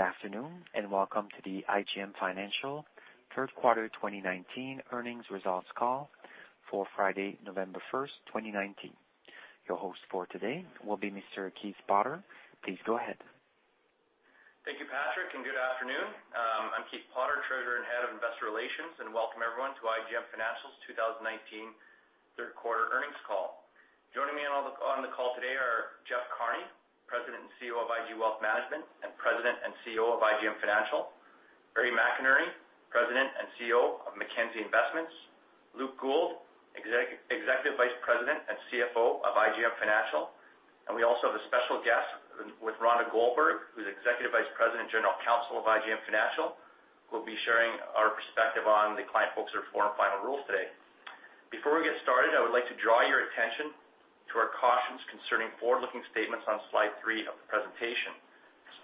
Good afternoon, and welcome to the IGM Financial Third Quarter 2019 Earnings Results Call for Friday, November 1, 2019. Your host for today will be Mr. Keith Potter. Please go ahead. Thank you, Patrick, and good afternoon. I'm Keith Potter, Treasurer and Head of Investor Relations, and welcome everyone to IGM Financial's 2019 third quarter earnings call. Joining me on the call today are Jeff Carney, President and CEO of IG Wealth Management, and President and CEO of IGM Financial. Barry McInerney, President and CEO of Mackenzie Investments. Luke Gould, Executive Vice President and CFO of IGM Financial. And we also have a special guest with Rhonda Goldberg, who's Executive Vice President and General Counsel of IGM Financial, who will be sharing our perspective on the Client Focused Reforms final rule today. Before we get started, I would like to draw your attention to our cautions concerning forward-looking statements on slide 3 of the presentation.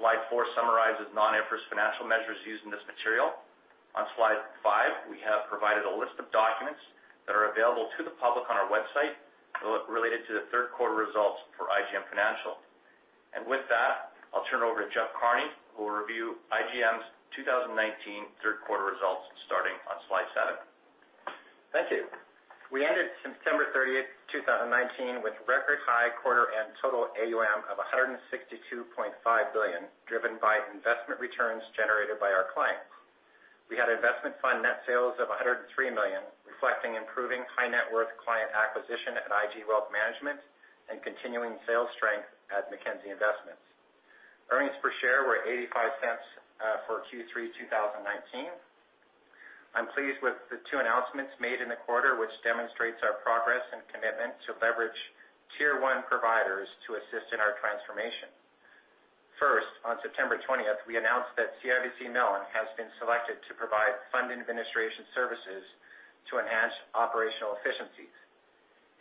Slide 4 summarizes non-IFRS financial measures used in this material. On slide five, we have provided a list of documents that are available to the public on our website related to the third quarter results for IGM Financial. With that, I'll turn it over to Jeff Carney, who will review IGM's 2019 third quarter results, starting on slide seven. Thank you. We ended September 30, 2019, with record high quarter and total AUM of 162.5 billion, driven by investment returns generated by our clients. We had investment fund net sales of 103 million, reflecting improving high net worth client acquisition at IG Wealth Management and continuing sales strength at Mackenzie Investments. Earnings per share were 0.85 for Q3 2019. I'm pleased with the two announcements made in the quarter, which demonstrates our progress and commitment to leverage tier one providers to assist in our transformation. First, on September 20, we announced that CIBC Mellon has been selected to provide fund administration services to enhance operational efficiencies.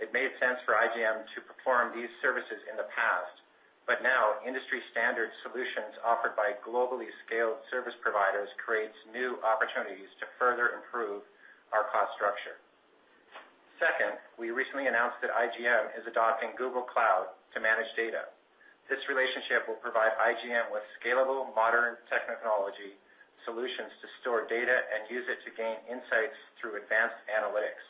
It made sense for IGM to perform these services in the past, but now industry standard solutions offered by globally scaled service providers creates new opportunities to further improve our cost structure. Second, we recently announced that IGM is adopting Google Cloud to manage data. This relationship will provide IGM with scalable, modern technology solutions to store data and use it to gain insights through advanced analytics.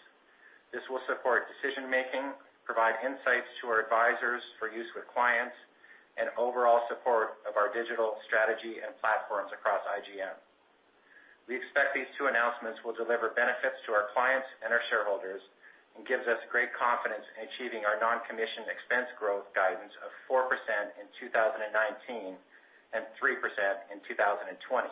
This will support decision making, provide insights to our advisors for use with clients, and overall support of our digital strategy and platforms across IGM. We expect these two announcements will deliver benefits to our clients and our shareholders, and gives us great confidence in achieving our non-commission expense growth guidance of 4% in 2019, and 3% in 2020.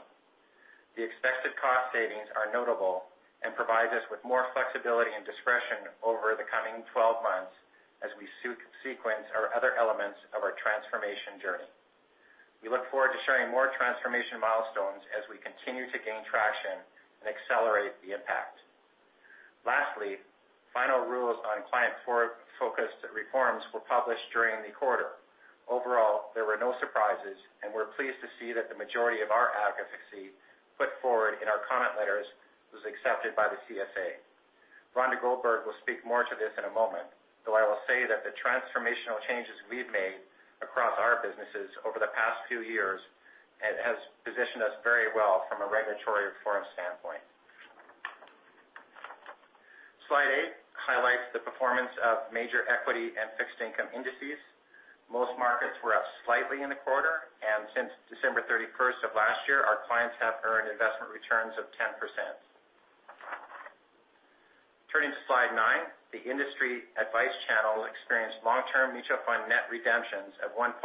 The expected cost savings are notable and provides us with more flexibility and discretion over the coming 12 months as we sequence our other elements of our transformation journey. We look forward to sharing more transformation milestones as we continue to gain traction and accelerate the impact. Lastly, final rules on Client Focused Reforms were published during the quarter. Overall, there were no surprises, and we're pleased to see that the majority of our advocacy put forward in our comment letters was accepted by the CSA. Rhonda Goldberg will speak more to this in a moment, though I will say that the transformational changes we've made across our businesses over the past few years, it has positioned us very well from a regulatory reform standpoint. Slide 8 highlights the performance of major equity and fixed income indices. Most markets were up slightly in the quarter, and since December 31st of last year, our clients have earned investment returns of 10%. Turning to slide nine, the industry advice channel experienced long-term mutual fund net redemptions of 1.3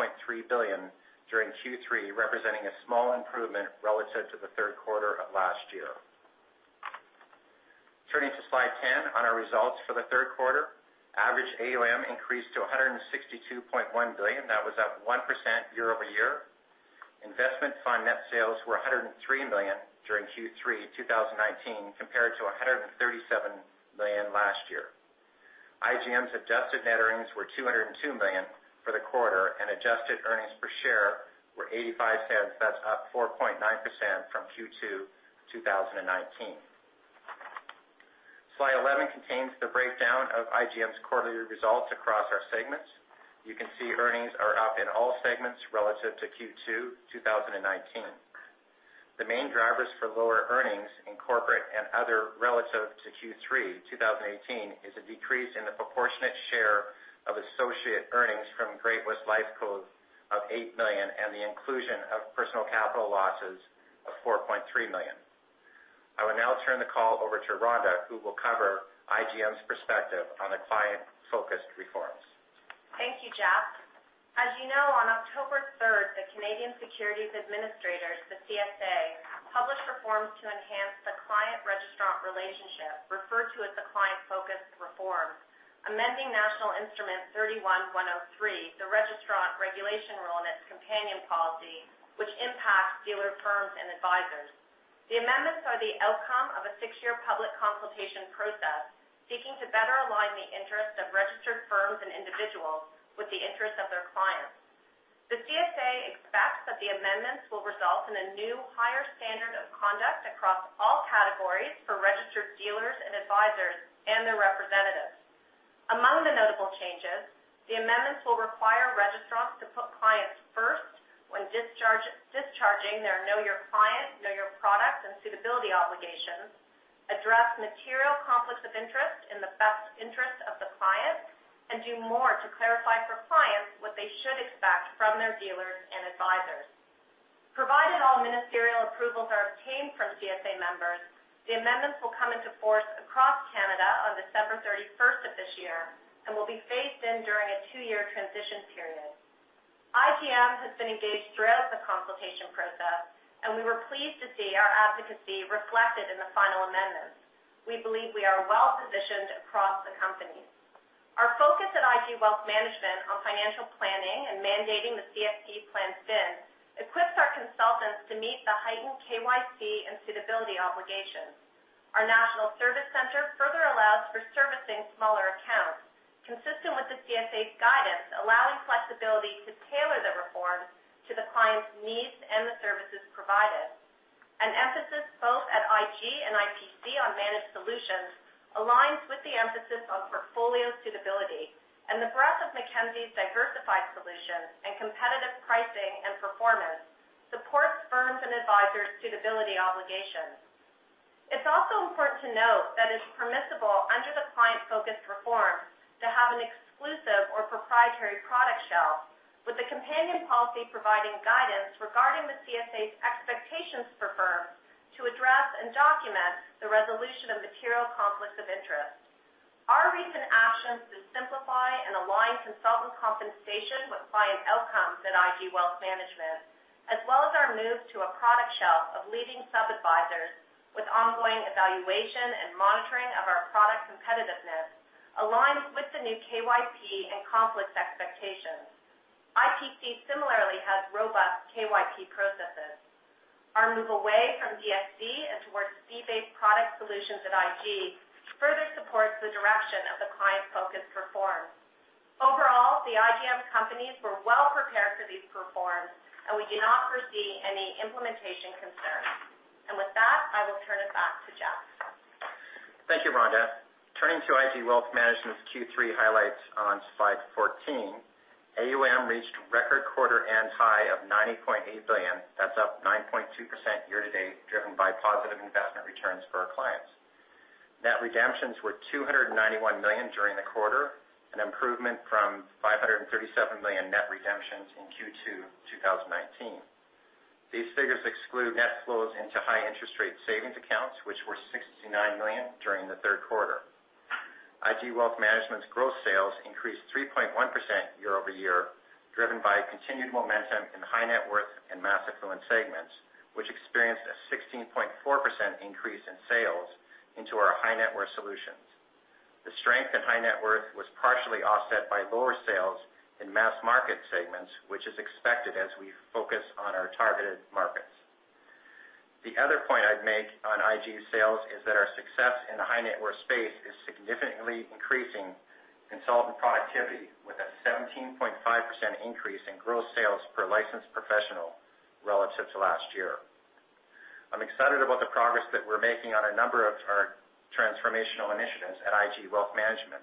billion during Q3, representing a small improvement relative to the third quarter of last year. Turning to slide ten, on our results for the third quarter, average AUM increased to 162.1 billion. That was up 1% year-over-year. Investment fund net sales were 103 million during Q3 2019, compared to 137 million last year. IGM's adjusted net earnings were 202 million for the quarter, and adjusted earnings per share were 0.85. That's up 4.9% from Q2 2019. Slide 11 contains the breakdown of IGM's quarterly results across our segments. You can see earnings are up in all segments relative to Q2 2019. The main drivers for lower earnings in corporate and other relative to Q3 2018 is a decrease in the proportionate share of associate earnings from Great-West Lifeco of 8 million, and the inclusion of Personal Capital losses of 4.3 million. I will now turn the call over to Rhonda, who will cover IGM's perspective on the Client Focused Reforms. Thank you, Jeff. As you know, on October 3rd, the Canadian Securities Administrators, the CSA, published reforms to enhance the client-registrant relationship, referred to as the Client Focused Reforms, amending National Instrument 31-103, the registrant regulation rule and its companion policy, which impacts dealer firms and advisors. The amendments are the outcome of a six-year public consultation process, seeking to better align the interests of registered firms and individuals with the interests of their clients. The CSA expects that the amendments will result in a new higher standard of conduct across all categories for registered dealers and advisors and their representatives. Among the notable changes, the amendments will require registrants to put clients first when discharging their Know Your Client, Know Your Product, and suitability obligations, address material conflicts of interest in the best interest of the client, and do more to clarify for clients what they should expect from their dealers and advisors. Provided all ministerial approvals are obtained from CSA members, the amendments will come into force across Canada on December thirty-first of this year and will be phased in during a two-year transition period. IGM has been engaged throughout the consultation process, and we were pleased to see our advocacy reflected in the final amendments. We believe we are well-positioned across the company. Our focus at IG Wealth Management on financial planning and mandating the CFP designation equips our consultants to meet the heightened KYC and suitability obligations. Our National Service Centre further allows for servicing smaller accounts, consistent with the CSA's guidance, allowing flexibility to tailor the reforms to the client's needs and the services provided. An emphasis both at IG and IPC on managed solutions aligns with the emphasis on portfolio suitability, and the breadth of Mackenzie's diversified solutions and competitive pricing and performance supports firms' and advisors' suitability obligations. It's also important to note that it's permissible under the Client Focused Reforms to have an exclusive or proprietary product shelf, with the companion policy providing guidance regarding the CSA's expectations for firms to address and document the resolution of material conflicts of interest. Our recent actions to simplify and align consultant compensation with client outcomes at IG Wealth Management, as well as our move to a product shelf of leading sub-advisers with ongoing evaluation and monitoring of our product competitiveness, aligns with the new KYP and conflict expectations. IPC similarly has robust KYP processes. Our move away from DSC and towards fee-based product solutions at IG further supports the direction of the Client Focused Reforms. Overall, the IGM companies were well prepared for these reforms, and we do not foresee any implementation concerns. With that, I will turn it back to Jeff. Thank you, Rhonda. Turning to IG Wealth Management's Q3 highlights on slide 14, AUM reached record quarter and high of 90.8 billion. That's up 9.2% year-to-date, driven by positive investment returns for our clients. Net redemptions were 291 million during the quarter, an improvement from 537 million net redemptions in Q2 2019. These figures exclude net flows into high interest rate savings accounts, which were 69 million during the third quarter. IG Wealth Management's gross sales increased 3.1% year-over-year, driven by continued momentum in high net worth and mass affluent segments, which experienced a 16.4% increase in sales into our high net worth solutions. The strength in high net worth was partially offset by lower sales in mass market segments, which is expected as we focus on our targeted markets. The other point I'd make on IG sales is that our success in the high net worth space is significantly increasing consultant productivity, with a 17.5% increase in gross sales per licensed professional relative to last year. I'm excited about the progress that we're making on a number of our transformational initiatives at IG Wealth Management.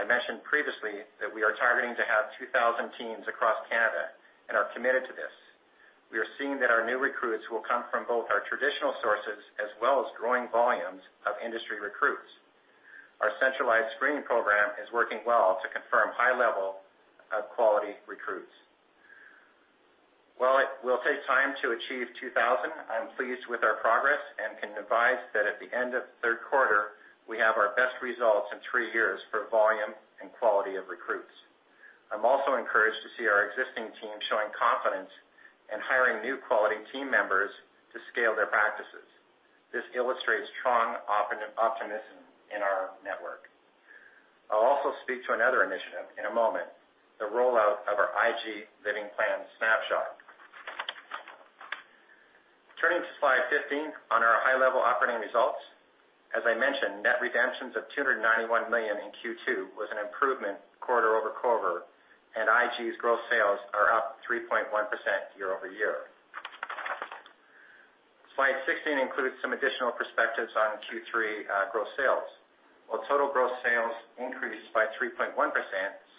I mentioned previously that we are targeting to have 2,000 teams across Canada and are committed to this. We are seeing that our new recruits will come from both our traditional sources as well as growing volumes of industry recruits. Our centralized screening program is working well to confirm high level of quality recruits. While it will take time to achieve 2,000, I'm pleased with our progress and can advise that at the end of the third quarter, we have our best results in 3 years for volume and quality of recruits. I'm also encouraged to see our existing team showing confidence and hiring new quality team members to scale their practices. This illustrates strong optimism in our network. I'll also speak to another initiative in a moment, the rollout of our IG Living Plan Snapshot. Turning to slide 15, on our high-level operating results. As I mentioned, net redemptions of 291 million in Q2 was an improvement quarter-over-quarter, and IG's gross sales are up 3.1% year-over-year. Slide 16 includes some additional perspectives on Q3 gross sales. While total gross sales increased by 3.1%,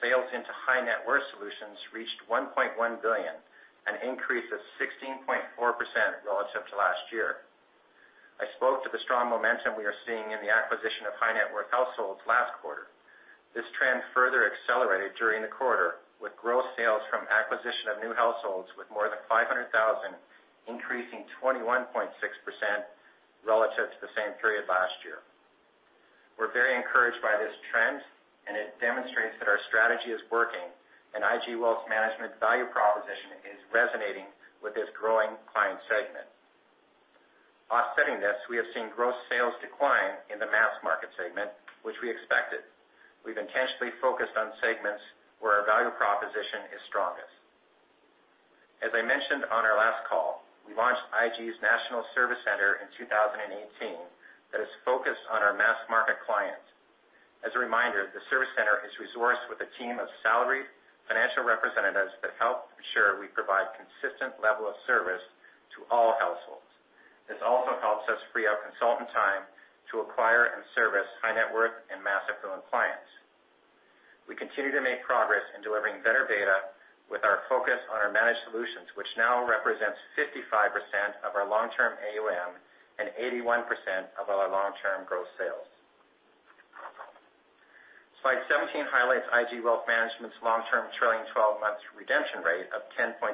sales into high net worth solutions reached 1.1 billion, an increase of 16.4% relative to last year. I spoke to the strong momentum we are seeing in the acquisition of high net worth households last quarter. This trend further accelerated during the quarter, with gross sales from acquisition of new households with more than 500,000, increasing 21.6% relative to the same period last year. We're very encouraged by this trend, and it demonstrates that our strategy is working, and IG Wealth Management's value proposition is resonating with this growing client segment. Offsetting this, we have seen gross sales decline in the mass market segment, which we expected. We've intentionally focused on segments where our value proposition is strongest. As I mentioned on our last call, we launched IG's National Service Centre in 2018 that is focused on our mass market clients. As a reminder, the service center is resourced with a team of salaried financial representatives that help ensure we provide consistent level of service to all households. This also helps us free up consultant time to acquire and service high net worth and mass affluent clients. We continue to make progress in delivering better data with our focus on our managed solutions, which now represents 55% of our long-term AUM and 81% of all our long-term growth sales. Slide 17 highlights IG Wealth Management's long-term trailing twelve months redemption rate of 10.2%,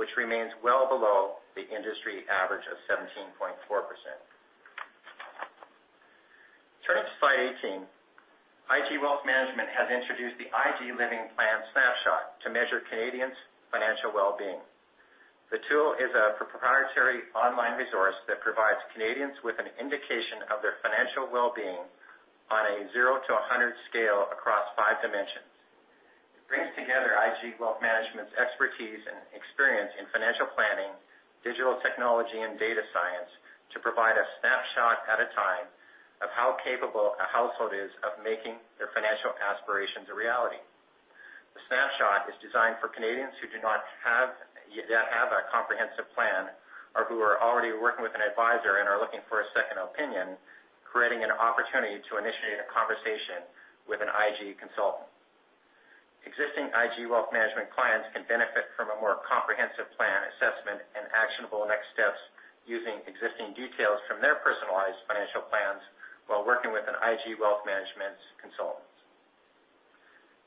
which remains well below the industry average of 17.4%. Turning to slide 18, IG Wealth Management has introduced the IG Living Plan Snapshot to measure Canadians' financial well-being. The tool is a proprietary online resource that provides Canadians with an indication of their financial well-being on a 0 to 100 scale across 5 dimensions. It brings together IG Wealth Management's expertise and experience in financial planning, digital technology, and data science to provide a snapshot at a time of how capable a household is of making their financial aspirations a reality. The snapshot is designed for Canadians who do not yet have a comprehensive plan, or who are already working with an advisor and are looking for a second opinion, creating an opportunity to initiate a conversation with an IG consultant. Existing IG Wealth Management clients can benefit from a more comprehensive plan assessment and actionable next steps using existing details from their personalized financial plans while working with an IG Wealth Management consultant.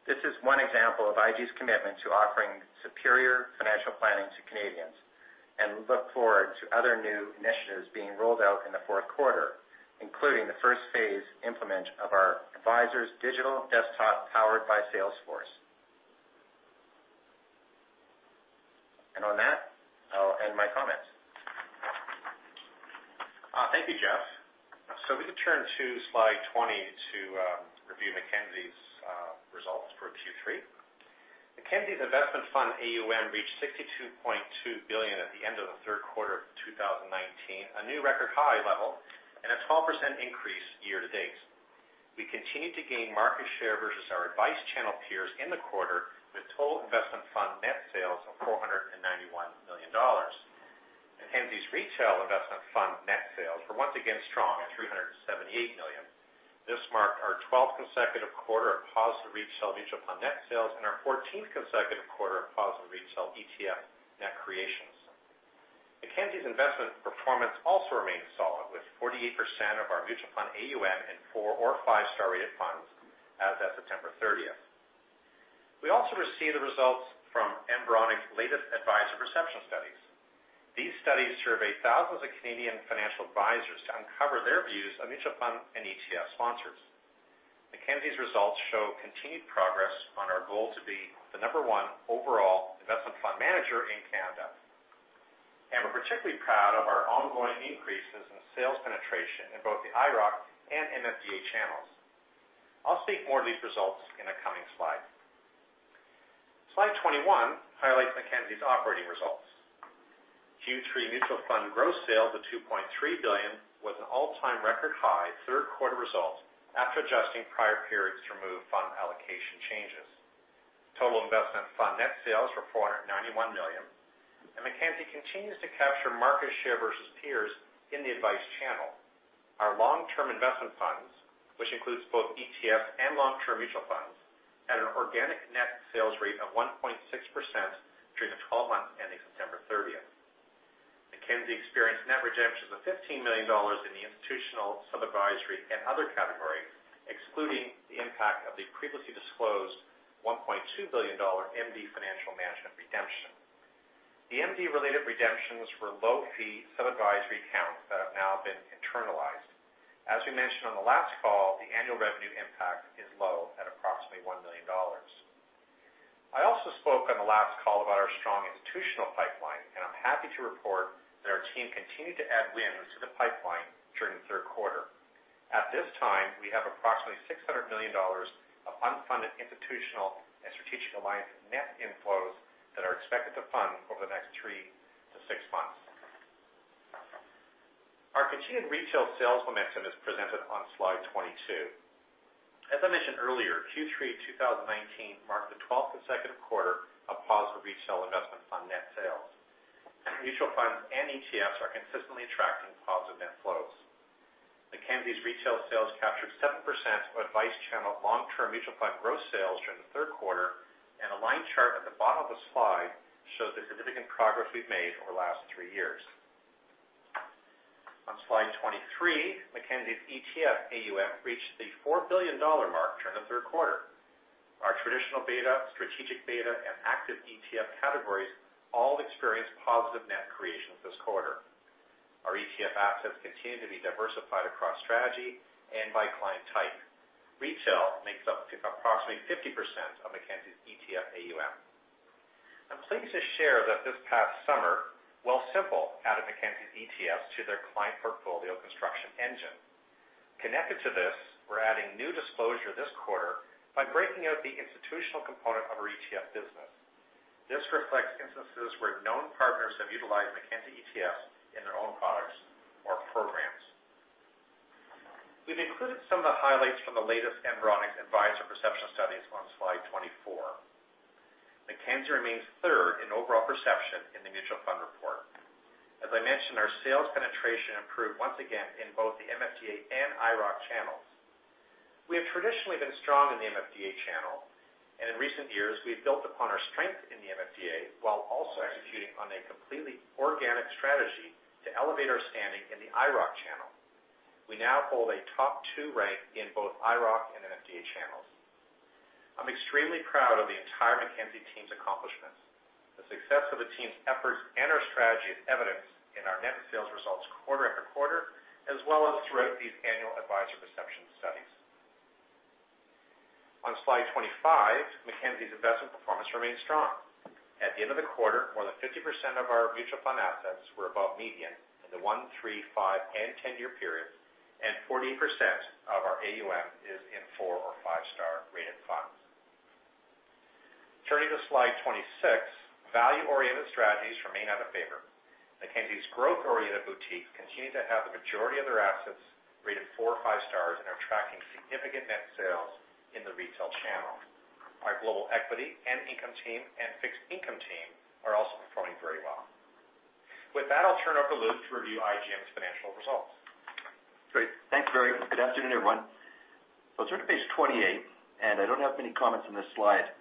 This is one example of IG's commitment to offering superior financial planning to Canadians, and we look forward to other new initiatives being rolled out in the fourth quarter, including the first phase implementation of our Advisor Digital Desktop, powered by Salesforce. On that, I'll end my comments. Thank you, Jeff. So we can turn to slide 20 to review Mackenzie's results for Q3. Mackenzie's investment fund AUM reached 62.2 billion at the end of the third quarter of 2019, a new record high level and a 12% increase year-to-date. We continued to gain market share versus our advice channel peers in the quarter, with total investment fund net sales of 491 million dollars. Mackenzie's retail investment fund net sales were once again strong at 378 million. This marked our 12th consecutive quarter of positive retail mutual fund net sales and our 14th consecutive quarter of positive retail ETF net creations. Mackenzie's investment performance also remains solid, with 48% of our mutual fund AUM in four- or five-star rated funds as at September 30. We also received the results from Environics's latest advisor perception studies. These studies surveyed thousands of Canadian financial advisors to uncover their views on mutual fund and ETF sponsors. Mackenzie's results show continued progress on our goal to be the number one overall investment fund manager in Canada. We're particularly proud of our ongoing increases in sales penetration in both the IIROC and MFDA channels. I'll state more of these results in a coming slide. Slide 21 highlights Mackenzie's operating results. Q3 mutual fund gross sales of 2.3 billion was an all-time record high third quarter result after adjusting prior periods to remove fund allocation changes. Total investment fund net sales were 491 million, and Mackenzie continues to capture market share versus peers in the advice channel. Our long-term investment funds, which includes both ETF and long-term mutual funds, had an organic net sales rate of 1.6% during the twelve months ending September 30th. Mackenzie experienced net redemptions of 15 million dollars in the institutional, sub-advisory, and other categories, excluding the impact of the previously disclosed 1.2 billion dollar MD Financial Management redemption. The MD-related redemptions were low fee sub-advisory accounts that have now been internalized. As we mentioned on the last call, the annual revenue impact is low at approximately 1 million dollars. I also spoke on the last call about our strong institutional pipeline, and I'm happy to report that our team continued to add wins to the pipeline during the third quarter. At this time, we have approximately 600 million dollars of unfunded institutional and strategic alliance net inflows that are expected to fund over the next 3 to 6 months. Our continued retail sales momentum is presented on Slide 22. As I mentioned earlier, Q3 2019 marked the 12th consecutive quarter of positive retail investment fund net sales. Mutual funds and ETFs are consistently attracting positive net flows. Mackenzie's retail sales captured 7% of advice channel long-term mutual fund growth sales during the third quarter, and a line chart at the bottom of the slide shows the significant progress we've made over the last 3 years. On Slide 23, Mackenzie's ETF AUM reached the 4 billion dollar mark during the third quarter. Our traditional beta, strategic beta, and active ETF categories all experienced positive net creations this quarter. Our ETF assets continue to be diversified across strategy and by client type. Retail makes up to approximately 50% of Mackenzie's ETF AUM. I'm pleased to share that this past summer, Wealthsimple added Mackenzie's ETFs to their client portfolio construction engine. Connected to this, we're adding new disclosure this quarter by breaking out the institutional component of our ETF business. This reflects instances where known partners have utilized Mackenzie ETFs in their own products. I included some of the highlights from the latest Environics Advisor Perception Studies on slide 24. Mackenzie remains third in overall perception in the mutual fund report. As I mentioned, our sales penetration improved once again in both the MFDA and IIROC channels. We have traditionally been strong in the MFDA channel, and in recent years, we've built upon our strength in the MFDA, while also executing on a completely organic strategy to elevate our standing in the IIROC channel. We now hold a top 2 rank in both IIROC and MFDA channels. I'm extremely proud of the entire Mackenzie team's accomplishments. The success of the team's efforts and our strategy is evidenced in our net sales results quarter after quarter, as well as throughout these annual advisor perception studies. On slide 25, Mackenzie's investment performance remains strong. At the end of the quarter, more than 50% of our mutual fund assets were above median in the 1-, 3-, 5-, and 10-year periods, and 40% of our AUM is in 4- or 5-star rated funds. Turning to slide 26, value-oriented strategies remain out of favor. Mackenzie's growth-oriented boutiques continue to have the majority of their assets rated four or five stars and are tracking significant net sales in the retail channel. Our global equity and income team and fixed income team are also performing very well. With that, I'll turn it over to Luke to review IGM's financial results. Great. Thanks, very good afternoon, everyone. Let's turn to page 28, and I don't have many comments on this slide.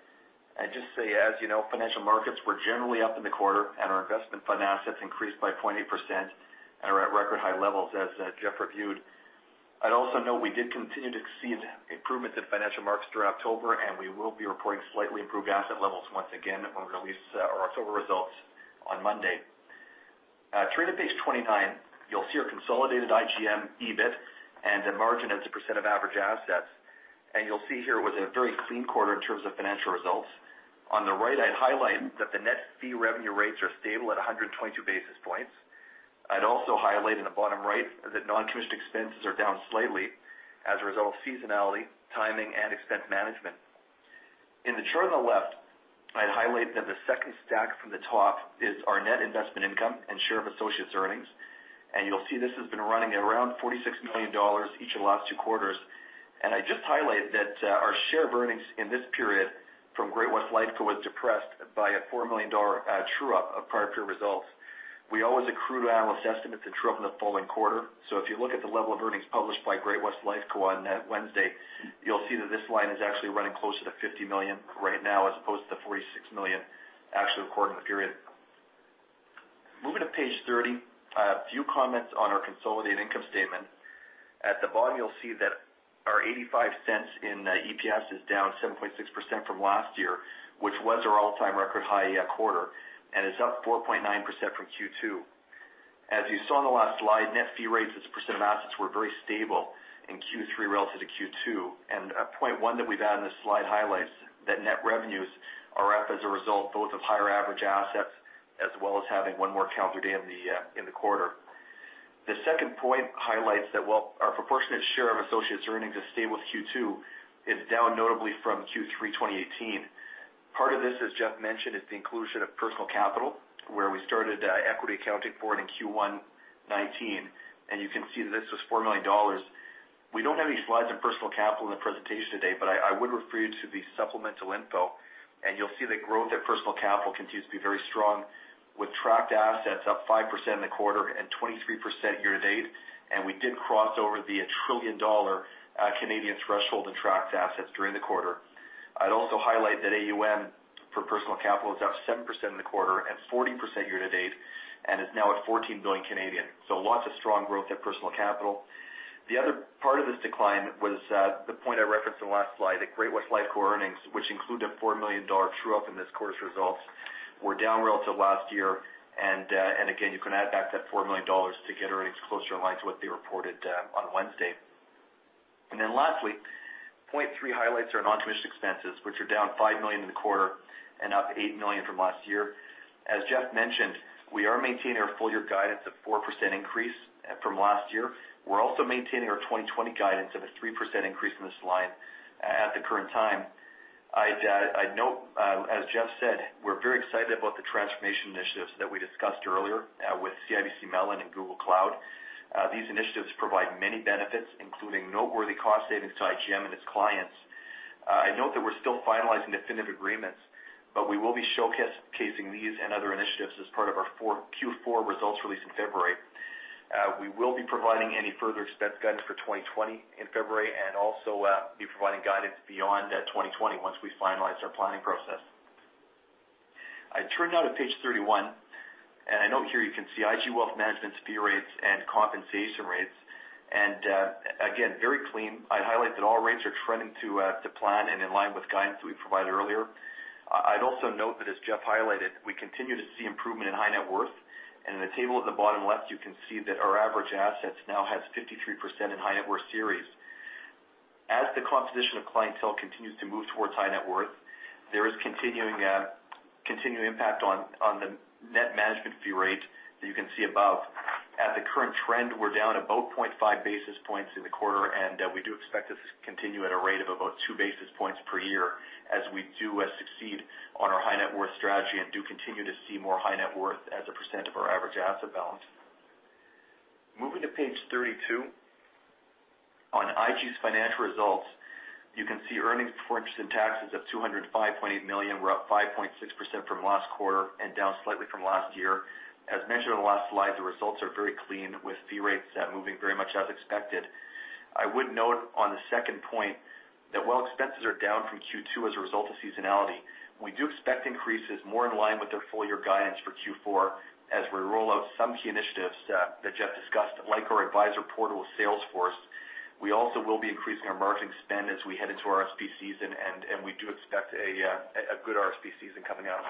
I'd just say, as you know, financial markets were generally up in the quarter, and our investment fund assets increased by 0.8% and are at record high levels, as Jeff reviewed. I'd also note we did continue to see improvements in financial markets through October, and we will be reporting slightly improved asset levels once again when we release our October results on Monday. Turning to page 29, you'll see our consolidated IGM EBIT and the margin as a percent of average assets, and you'll see here it was a very clean quarter in terms of financial results. On the right, I'd highlight that the net fee revenue rates are stable at 122 basis points. I'd also highlight in the bottom right, that non-commission expenses are down slightly as a result of seasonality, timing, and expense management. In the chart on the left, I'd highlight that the second stack from the top is our net investment income and share of associates earnings. And you'll see this has been running at around 46 million dollars each of the last two quarters. And I just highlight that, our share of earnings in this period from Great-West Lifeco was depressed by a 4 million dollar true-up of prior period results. We always accrue to analyst estimates and true up in the following quarter. So if you look at the level of earnings published by Great-West Lifeco on that Wednesday, you'll see that this line is actually running closer to 50 million right now, as opposed to 46 million actual quarter in the period. Moving to page 30, a few comments on our consolidated income statement. At the bottom, you'll see that our 0.85 EPS is down 7.6% from last year, which was our all-time record high quarter, and is up 4.9% from Q2. As you saw in the last slide, net fee rates as a percent of assets were very stable in Q3 relative to Q2, and point one that we've added in this slide highlights that net revenues are up as a result, both of higher average assets, as well as having one more calendar day in the quarter. The second point highlights that, while our proportionate share of associates' earnings is stable with Q2, is down notably from Q3 2018. Part of this, as Jeff mentioned, is the inclusion of Personal Capital, where we started equity accounting for it in Q1 2019, and you can see that this was 4 million dollars. We don't have any slides on Personal Capital in the presentation today, but I, I would refer you to the supplemental info, and you'll see the growth at Personal Capital continues to be very strong, with tracked assets up 5% in the quarter and 23% year-to-date. And we did cross over the 1 trillion dollar Canadian threshold in tracked assets during the quarter. I'd also highlight that AUM for Personal Capital is up 7% in the quarter and 40% year to date, and is now at 14 billion. So lots of strong growth at Personal Capital. The other part of this decline was, the point I referenced in the last slide, that Great-West Lifeco earnings, which include a 4 million dollar true-up in this quarter's results, were down relative last year. And again, you can add back that 4 million dollars to get earnings closer in line to what they reported, on Wednesday. And then lastly, point 3 highlights are non-commission expenses, which are down 5 million in the quarter and up 8 million from last year. As Jeff mentioned, we are maintaining our full year guidance of 4% increase, from last year. We're also maintaining our 2020 guidance of a 3% increase in this line at the current time. I'd note, as Jeff said, we're very excited about the transformation initiatives that we discussed earlier, with CIBC Mellon and Google Cloud. These initiatives provide many benefits, including noteworthy cost savings to IGM and its clients. I'd note that we're still finalizing definitive agreements, but we will be showcasing these and other initiatives as part of our Q4 results release in February. We will be providing any further expense guidance for 2020 in February, and also be providing guidance beyond that 2020 once we finalize our planning process. I turn now to page 31, and I note here you can see IG Wealth Management's fee rates and compensation rates. Again, very clean. I'd highlight that all rates are trending to plan and in line with guidance we provided earlier. I'd also note that, as Jeff highlighted, we continue to see improvement in high net worth. In the table at the bottom left, you can see that our average assets now has 53% in high net worth series. As the composition of clientele continues to move towards high net worth, there is continuing impact on the net management fee rate that you can see above. At the current trend, we're down about 0.5 basis points in the quarter, and we do expect to continue at a rate of about 2 basis points per year as we do succeed on our high net worth strategy and do continue to see more high net worth as a percent of our average asset balance. Moving to page 32. On IG's financial results, you can see earnings before interest and taxes of 205.8 million were up 5.6% from last quarter and down slightly from last year. As mentioned on the last slide, the results are very clean, with fee rates moving very much as expected. I would note on the second point, that while expenses are down from Q2 as a result of seasonality, we do expect increases more in line with their full year guidance for Q4 as we roll out some key initiatives that Jeff discussed, like our Advisor Portal with Salesforce. We also will be increasing our marketing spend as we head into our RSP season, and we do expect a good RSP season coming out.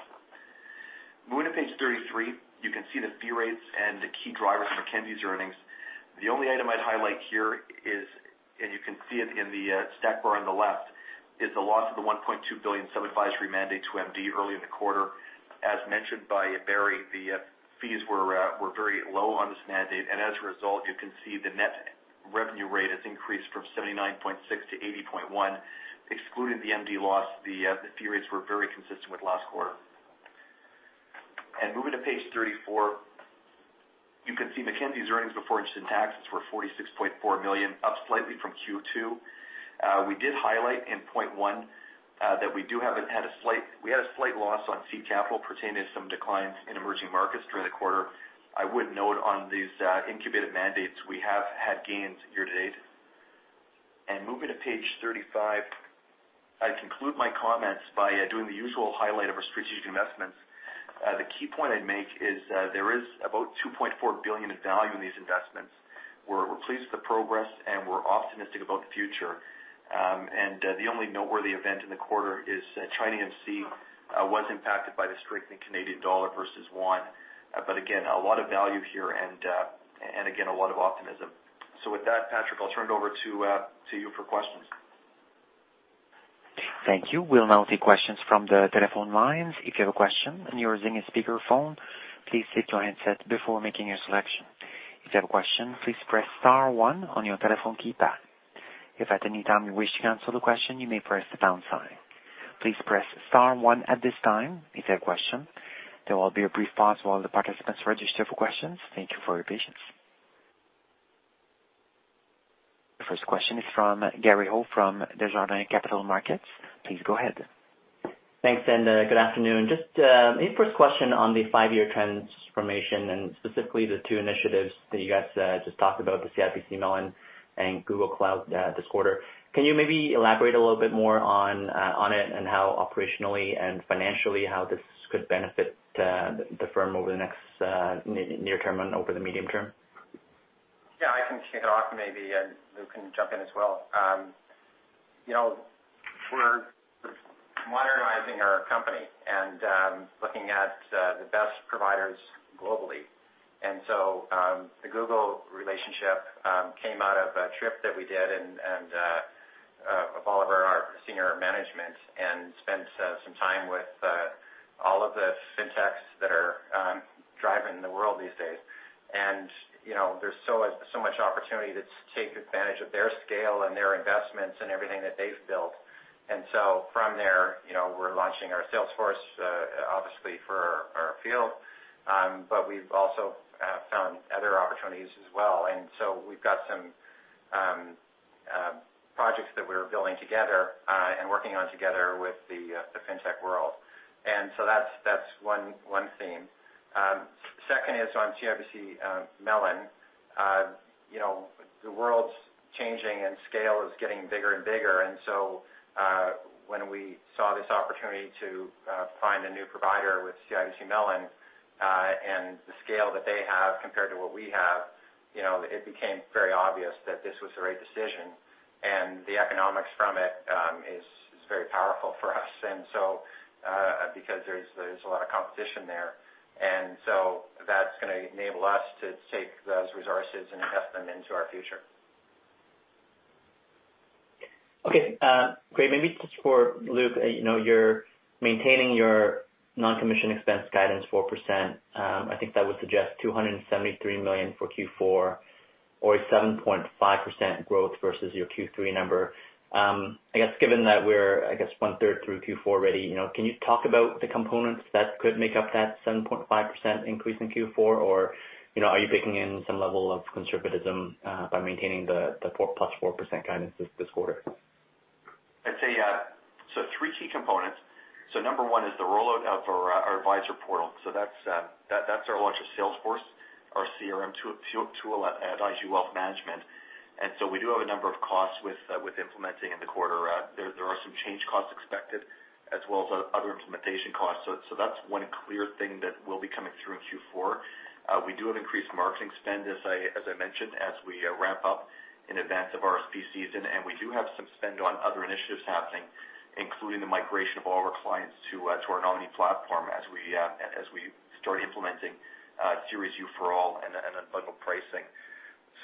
Moving to page 33, you can see the fee rates and the key drivers for Mackenzie's earnings. The only item I'd highlight here is, and you can see it in the stack bar on the left, is the loss of the 1.2 billion sub-advisory mandate to MD early in the quarter. As mentioned by Barry, the fees were very low on this mandate, and as a result, you can see the net revenue rate has increased from 79.6% to 80.1%. Excluding the MD loss, the fee rates were very consistent with last quarter. And moving to page 34, you can see Mackenzie's earnings before interest and taxes were 46.4 million, up slightly from Q2. We did highlight in point one, that we had a slight loss on seed capital pertaining to some declines in emerging markets during the quarter. I would note on these, incubated mandates, we have had gains year-to-date. Moving to page 35, I conclude my comments by doing the usual highlight of our strategic investments. The key point I'd make is, there is about 2.4 billion in value in these investments. We're pleased with the progress, and we're optimistic about the future. The only noteworthy event in the quarter is ChinaAMC was impacted by the strengthening Canadian dollar versus the yuan. But again, a lot of value here and, and again, a lot of optimism. With that, Patrick, I'll turn it over to you for questions. Thank you. We'll now take questions from the telephone lines. If you have a question and you're using a speakerphone, please mute your handset before making your selection. If you have a question, please press star one on your telephone keypad. If at any time you wish to cancel the question, you may press the pound sign. Please press star one at this time if you have a question. There will be a brief pause while the participants register for questions. Thank you for your patience. The first question is from Gary Ho from Desjardins Capital Markets. Please go ahead. Thanks, and good afternoon. Just, maybe first question on the five-year transformation and specifically the two initiatives that you guys just talked about, the CIBC Mellon and Google Cloud, this quarter. Can you maybe elaborate a little bit more on, on it and how operationally and financially, how this could benefit, the firm over the next, near term and over the medium term? Yeah, I can kick it off, maybe, and Luke can jump in as well. You know, we're modernizing our company and looking at the best providers globally. And so the Google relationship came out of a trip that we did and with all of our senior management, and spent some time with all of the fintechs that are driving the world these days. And you know, there's so much opportunity to take advantage of their scale and their investments and everything that they've built. And so from there, you know, we're launching our Salesforce obviously for our field, but we've also found other opportunities as well. And so we've got some projects that we're building together and working on together with the fintech world. And so that's one theme. Second is on CIBC Mellon. You know, the world's changing and scale is getting bigger and bigger, and so when we saw this opportunity to find a new provider with CIBC Mellon, and the scale that they have compared to what we have, you know, it became very obvious that this was the right decision. And the economics from it is very powerful for us. And so because there's a lot of competition there, and so that's going to enable us to take those resources and invest them into our future. Okay, great. Maybe just for Luke, you know, you're maintaining your non-commission expense guidance 4%. I think that would suggest 273 million for Q4 or a 7.5% growth versus your Q3 number. I guess given that we're one third through Q4 already, you know, can you talk about the components that could make up that 7.5% increase in Q4? Or, you know, are you baking in some level of conservatism by maintaining the 4% + 4% guidance this quarter? I'd say, so three key components. So number one is the rollout of our Advisor Portal. So that's our largest Salesforce, our CRM tool at IG Wealth Management. And so we do have a number of costs with implementing in the quarter. There are some change costs expected, as well as other implementation costs. So that's one clear thing that will be coming through in Q4. We do have increased marketing spend, as I mentioned, as we ramp up in advance of RSP season, and we do have some spend on other initiatives happening, including the migration of all our clients to our nominee platform as we start implementing Series U for all and at bundled pricing.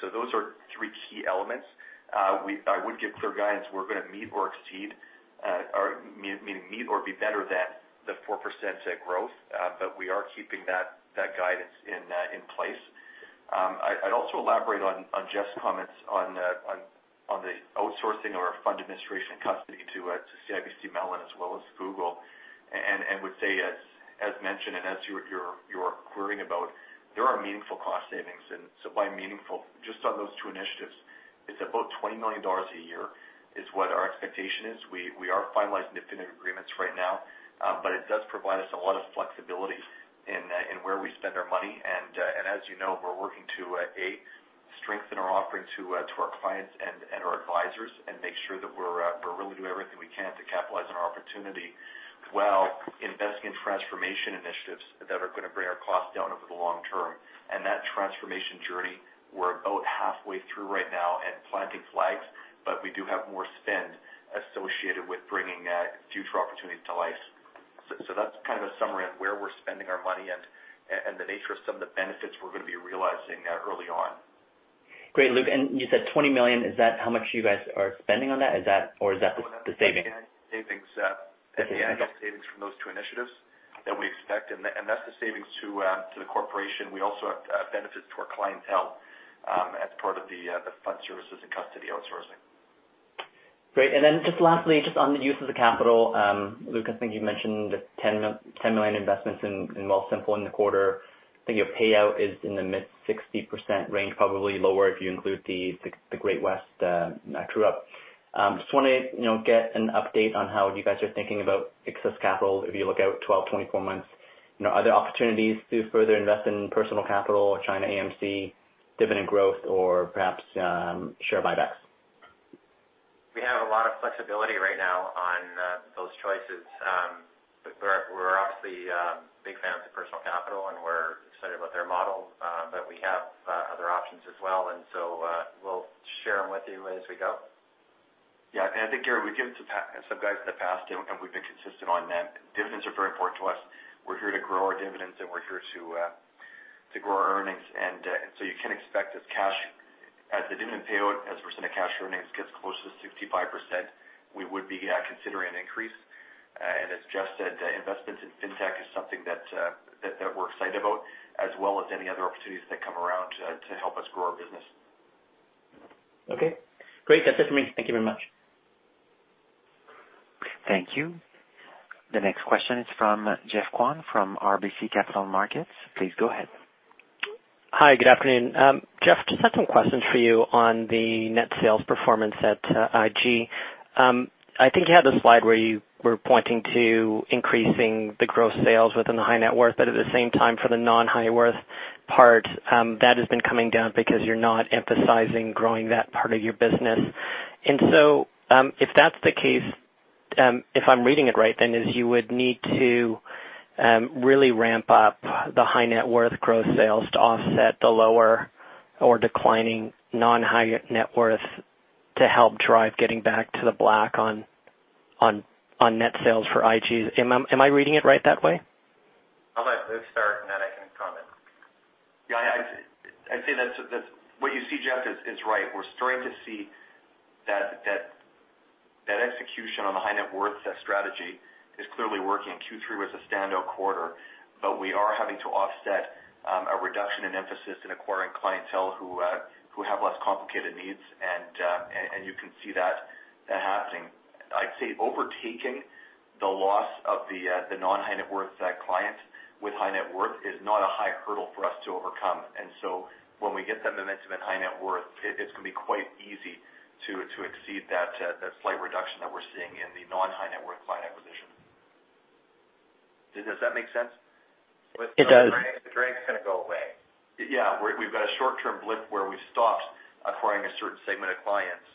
So those are three key elements. I would give clear guidance, we're going to meet or exceed or meet or be better than the 4% growth, but we are keeping that guidance in place. I'd also elaborate on Jeff's comments on the outsourcing of our fund administration custody to CIBC Mellon as well as Google. And would say as mentioned, and as you're querying about, there are meaningful cost savings. And so by meaningful, just on those two initiatives, it's about 20 million dollars a year, is what our expectation is. We are finalizing definitive agreements right now, but it does provide us a lot of flexibility in where we spend our money. As you know, we're working to strengthen our offering to our clients and our advisors, and make sure that we're really doing everything we can to capitalize on our opportunity, while investing in transformation initiatives that are going to bring our costs down over the long term. That transformation journey, we're about halfway through right now and planting flags, but we do have more spend associated with bringing future opportunities to life. So that's kind of a summary of where we're spending our money and the nature of some of the benefits we're going to be realizing early on. Great, Luke. And you said 20 million, is that how much you guys are spending on that? Is that - or is that the savings? Savings, that's the annual savings from those two initiatives that we expect. And that, and that's the savings to, to the corporation. We also have, benefits to our clientele, as part of the, the fund services and custody outsourcing. Great. Just lastly, just on the use of the capital, Luke, I think you mentioned 10 million investments in Wealthsimple in the quarter. I think your payout is in the mid-60% range, probably lower if you include the Great-West group. Just want to, you know, get an update on how you guys are thinking about excess capital, if you look out 12, 24 months. You know, are there opportunities to further invest in Personal Capital or China AMC, dividend growth, or perhaps, share buybacks? We have a lot of flexibility right now on those choices. But we're obviously big fans of Personal Capital, and we're excited about their model, but we have other options as well, and so we'll share them with you as we go. Yeah, and I think, Gary, we've given some guidance in the past, and, and we've been consistent on that. Dividends are very important to us. We're here to grow our dividends, and we're here to, to grow our earnings. And, and so you can expect as cash, as the dividend payout, as a percent of cash earnings gets closer to 65%, we would be, considering an increase. And as Jeff said, investments in fintech is something that, that, that we're excited about, as well as any other opportunities that come around to, to help us grow our business. Okay, great. That's it for me. Thank you very much. Thank you. The next question is from Geoffrey Kwan from RBC Capital Markets. Please go ahead. Hi, good afternoon. Jeff, just had some questions for you on the net sales performance at IG. I think you had the slide where you were pointing to increasing the gross sales within the high net worth, but at the same time for the non-high net worth part, that has been coming down because you're not emphasizing growing that part of your business. And so, if that's the case, if I'm reading it right, then is you would need to really ramp up the high net worth gross sales to offset the lower or declining non-high net worth to help drive getting back to the black on net sales for IGs. Am I reading it right that way? I'll let Luke start, and then I can comment. Yeah, I'd say that's what you see, Jeff, is right. We're starting to see that execution on the high net worth strategy is clearly working. Q3 was a standout quarter, but we are having to offset a reduction in emphasis in acquiring clientele who have less complicated needs, and you can see that happening. I'd say overtaking the loss of the non-high net worth clients with high net worth is not a high hurdle for us to overcome. And so when we get the momentum in high net worth, it's going to be quite easy to exceed that slight reduction that we're seeing in the non-high net worth client acquisition. Does that make sense? It does. The drag's gonna go away. Yeah, we've got a short-term blip where we've stopped acquiring a certain segment of clients,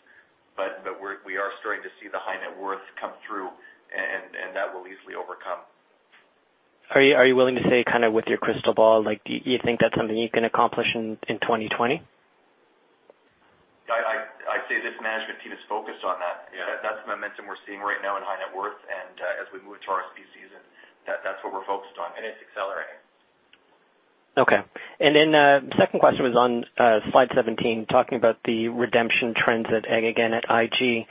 but we're starting to see the high net worth come through, and that will easily overcome. Are you, are you willing to say kind of with your crystal ball, like, do you think that's something you can accomplish in, in 2020? I'd say this management team is focused on that. Yeah. That's the momentum we're seeing right now in high net worth, and, as we move into our RSP season, that, that's what we're focused on, and it's accelerating. Okay. And then, second question was on slide 17, talking about the redemption trends at, again, at IG.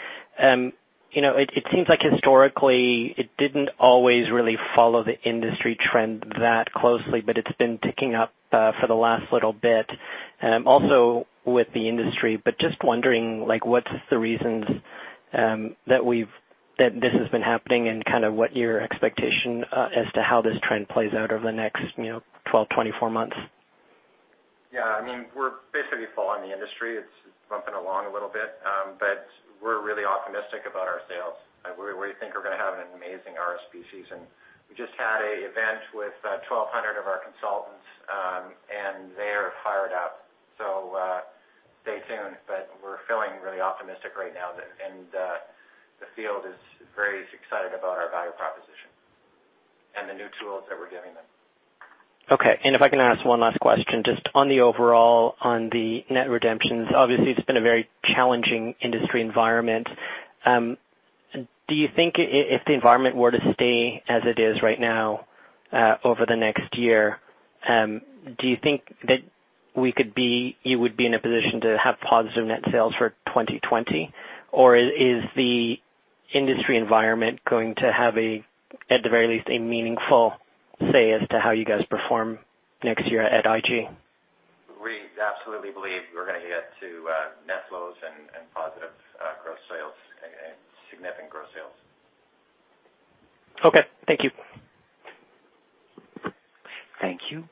You know, it seems like historically, it didn't always really follow the industry trend that closely, but it's been ticking up for the last little bit, also with the industry. But just wondering, like, what's the reasons that this has been happening and kind of what your expectation as to how this trend plays out over the next, you know, 12, 24 months? Yeah, I mean, we're basically following the industry. It's bumping along a little bit, but we're really optimistic about our sales. We think we're going to have an amazing RSP season. We just had an event with 1,200 of our consultants, and they are fired up. So, stay tuned, but we're feeling really optimistic right now, that and the field is very excited about our value proposition and the new tools that we're giving them. Okay. If I can ask one last question, just on the overall, on the net redemptions. Obviously, it's been a very challenging industry environment. Do you think if the environment were to stay as it is right now, over the next year, do you think that you would be in a position to have positive net sales for 2020? Or is the industry environment going to have a, at the very least, a meaningful say as to how you guys perform next year at IG? We absolutely believe we're going to get to net flows and positive gross sales and significant gross sales. Okay. Thank you. Thank you.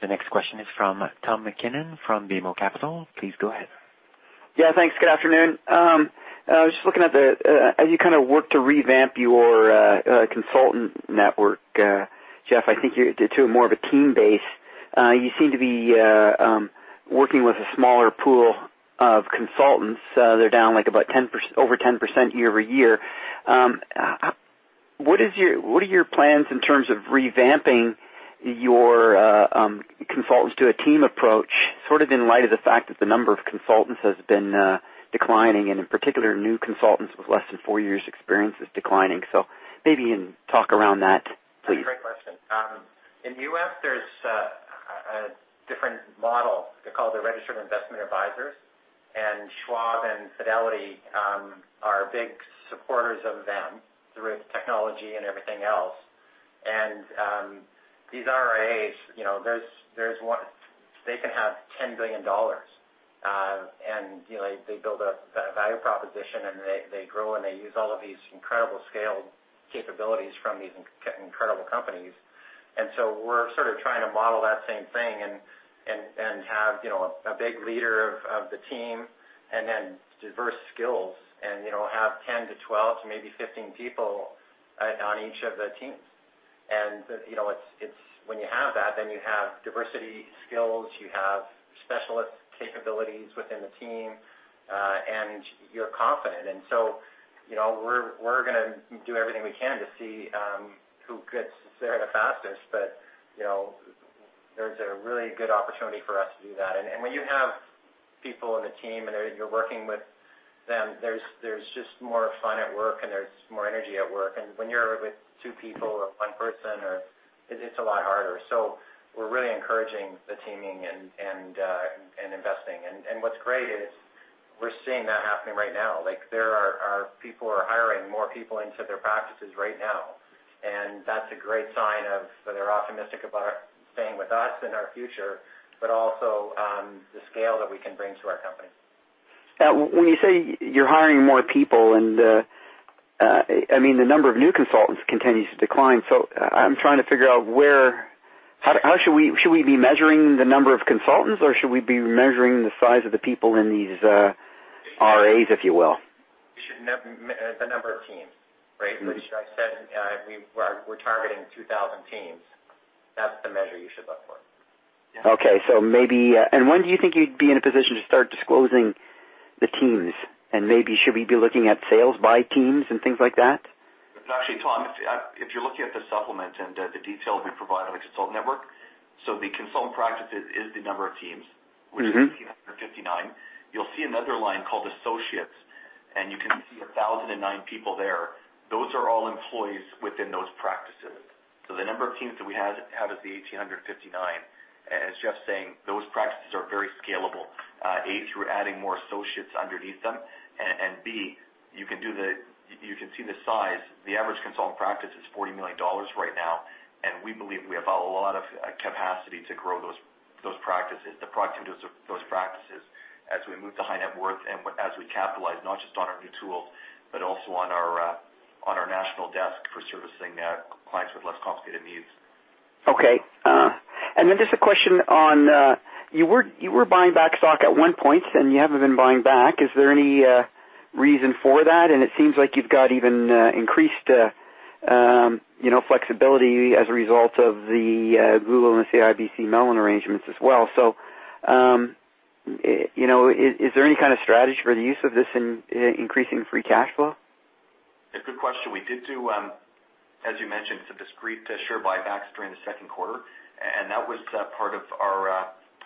The next question is from Tom MacKinnon from BMO Capital. Please go ahead. Yeah, thanks. Good afternoon. I was just looking at the, as you kind of work to revamp your, consultant network, Jeff, I think you're to more of a team base. You seem to be working with a smaller pool of consultants. They're down like about 10%, over 10% year-over-year. What is your, what are your plans in terms of revamping your, consultants to a team approach, sort of in light of the fact that the number of consultants has been declining, and in particular, new consultants with less than four years experience is declining? So maybe you can talk around that, please. Great question. In U.S., there's a different model. They're called the Registered Investment Advisors, and Schwab and Fidelity are big supporters of them through technology and everything else. And these RIAs, you know, there's one they can have 10 billion dollars, and you know, they build a value proposition, and they grow, and they use all of these incredible scaled capabilities from these incredible companies. And so we're sort of trying to model that same thing and have, you know, a big leader of the team and then diverse skills and, you know, have 10 to 12 to maybe 15 people on each of the teams. And, you know, it's when you have that, then you have diversity skills, you have specialist capabilities within the team, and you're confident. And so, you know, we're gonna do everything we can to see who gets there the fastest. But, you know, there's a really good opportunity for us to do that. And when you have people on the team, and you're working with them, there's just more fun at work, and there's more energy at work. And when you're with two people or one person. It's a lot harder. So we're really encouraging the teaming and investing. And what's great is we're seeing that happening right now. Like, there are people who are hiring more people into their practices right now, and that's a great sign of that they're optimistic about staying with us and our future, but also the scale that we can bring to our company. Yeah. When you say you're hiring more people and, I mean, the number of new consultants continues to decline. So I'm trying to figure out, how, should we be measuring the number of consultants, or should we be measuring the size of the people in these RIAs, if you will? You should measure the number of teams, right? Mm-hmm. Which I said, we're targeting 2,000 teams. That's the measure you should look for. Okay, so maybe and when do you think you'd be in a position to start disclosing the teams? And maybe should we be looking at sales by teams and things like that? Actually, Tom, if you're looking at the supplement and the detail we provide on the consultant network, so the consultant practices is the number of teams. Mm-hmm. Which is 1,859. You'll see another line called Associates, and you can see 1,009 people there. Those are all employees within those practices. So the number of teams that we have is the 1,859. As Jeff's saying, those practices are very scalable. A, we're adding more associates underneath them, and B, you can do the - you can see the size. The average consultant practice is 40 million dollars right now, and we believe we have a lot of capacity to grow those practices, the productivity of those practices, as we move to high net worth and as we capitalize not just on our new tools, but also on our national desk for servicing clients with less complicated needs. Okay. And then just a question on, you were, you were buying back stock at one point, and you haven't been buying back. Is there any reason for that? And it seems like you've got even, increased, you know, flexibility as a result of the, Google and CIBC Mellon arrangements as well. So, you know, is, is there any kind of strategy for the use of this in increasing free cash flow? A good question. We did do, as you mentioned, some discrete share buybacks during the second quarter, and that was part of our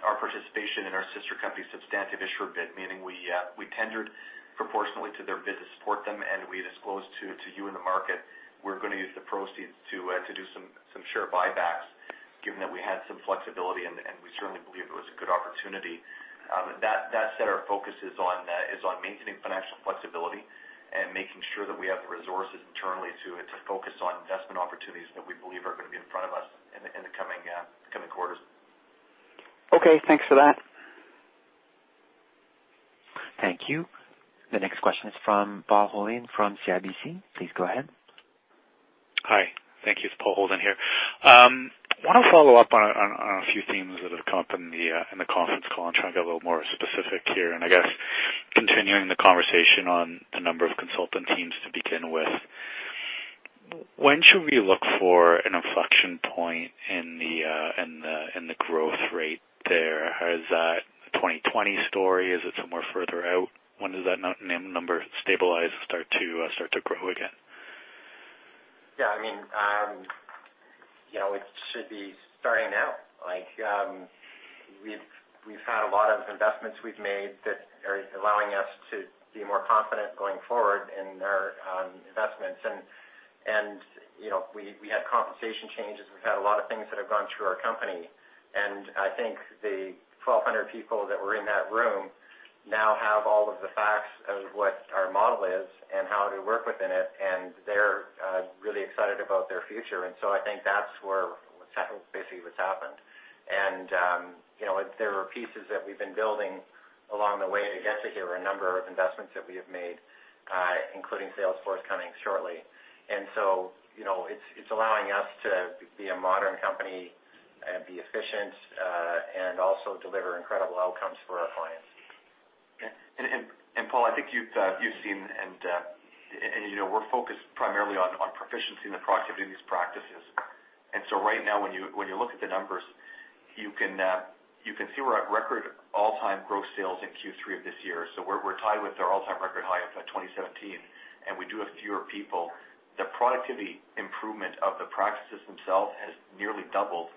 participation in our sister company's substantive issuer bid, meaning we tendered proportionately to their bid to support them, and we disclosed to you in the market, we're going to use the proceeds to do some share buybacks, given that we had some flexibility, and we certainly believed it was a good opportunity. That said, our focus is on maintaining financial flexibility and making sure that we have the resources internally to focus on investment opportunities that we believe are going to be in front of us in the coming quarters. Okay, thanks for that. Thank you. The next question is from Paul Holden from CIBC. Please go ahead. Hi. Thank you. It's Paul Holden here. I want to follow up on a few themes that have come up in the conference call and try and get a little more specific here, and I guess continuing the conversation on the number of consultant teams to begin with. When should we look for an inflection point in the growth rate there? Is that a 2020 story? Is it somewhere further out? When does that number stabilize and start to grow again? Yeah, I mean, you know, it should be starting now. Like, we've had a lot of investments we've made that are allowing us to be more confident going forward in our investments. And you know, we had compensation changes. We've had a lot of things that have gone through our company, and I think the 1,200 people that were in that room now have all of the facts of what our model is and how to work within it, and they're really excited about their future. And so I think that's where basically what's happened. And, you know, there are pieces that we've been building along the way to get to here, a number of investments that we have made, including Salesforce coming shortly. And so, you know, it's allowing us to be a modern company and be efficient, and also deliver incredible outcomes for our clients. Okay. And, Paul, I think you've seen and, you know, we're focused primarily on proficiency and the productivity of these practices. And so right now, when you look at the numbers, you can see we're at record all-time gross sales in Q3 of this year. So we're tied with our all-time record high of 2017, and we do have fewer people. The productivity improvement of the practices themselves has nearly doubled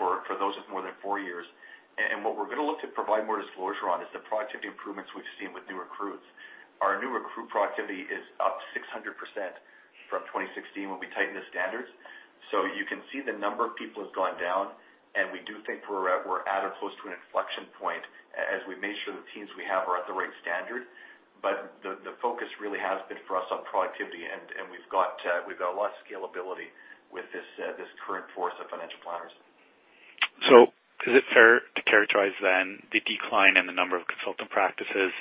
for those of more than four years. And what we're going to look to provide more disclosure on is the productivity improvements we've seen with new recruits. Our new recruit productivity is up 600% from 2016, when we tightened the standards. So you can see the number of people has gone down, and we do think we're at or close to an inflection point as we make sure the teams we have are at the right standard. But the focus really has been for us on productivity, and we've got a lot of scalability with this current force of financial planners. So is it fair to characterize then the decline in the number of consultant practices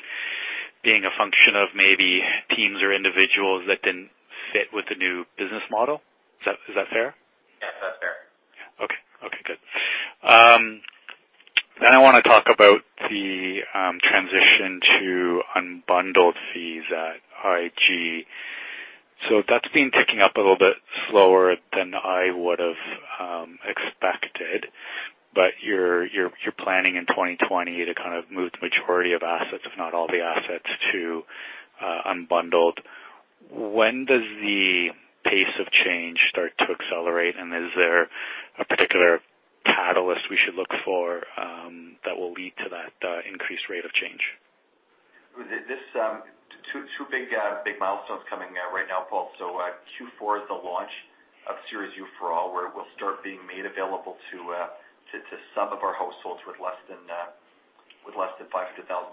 being a function of maybe teams or individuals that didn't fit with the new business model? Is that, is that fair? Yes, that's fair. Okay. Okay, good. Then I want to talk about the transition to unbundled fees at IG. So that's been ticking up a little bit slower than I would've expected, but you're planning in 2020 to kind of move the majority of assets, if not all the assets, to unbundled. When does the pace of change start to accelerate, and is there a particular catalyst we should look for that will lead to that increased rate of change? This two big milestones coming right now, Paul. So, Q4 is the launch of Series U for all, where it will start being made available to some of our households with less than 500,000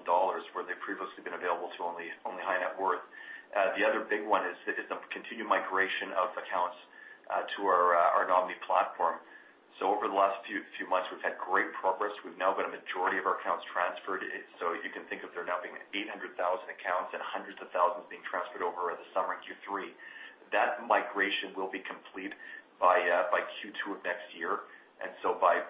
dollars, where they've previously been available to only high net worth. The other big one is the continued migration of accounts to our nominee platform. So over the last few months, we've had great progress. We've now got a majority of our accounts transferred. So you can think of there now being 800,000 accounts and hundreds of thousands being transferred over the summer in Q3. That migration will be complete by Q2 of next year.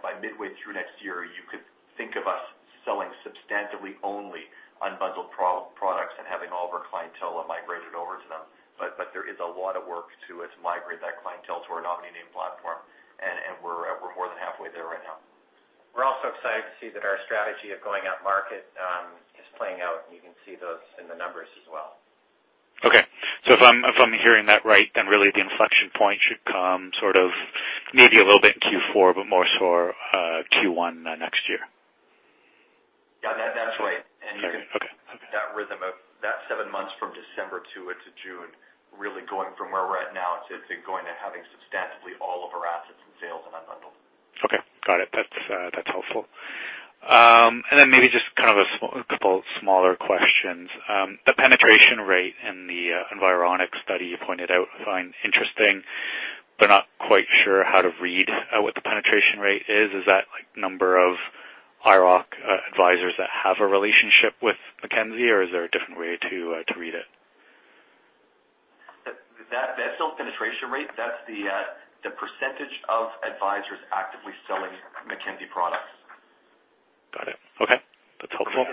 By midway through next year, you could think of us selling substantively only unbundled products and having all of our clientele migrated over to them. But there is a lot of work to migrate that clientele to our nominee new platform, and we're more than halfway there right now. We're also excited to see that our strategy of going upmarket is playing out, and you can see those in the numbers as well. Okay. So if I'm, if I'm hearing that right, then really the inflection point should come sort of maybe a little bit in Q4, but more for Q1 next year. Yeah, that's right. Okay. Okay. That seven months from December to June, really going from where we're at now to going to having substantively all of our assets and sales unbundled. Okay, got it. That's, that's helpful. And then maybe just kind of a small couple of smaller questions. The penetration rate in the, Environics study you pointed out, I find interesting, but not quite sure how to read, what the penetration rate is. Is that, like, number of IIROC advisors that have a relationship with Mackenzie, or is there a different way to, to read it? That self-penetration rate, that's the percentage of advisors actively selling Mackenzie products. Got it. Okay, that's helpful.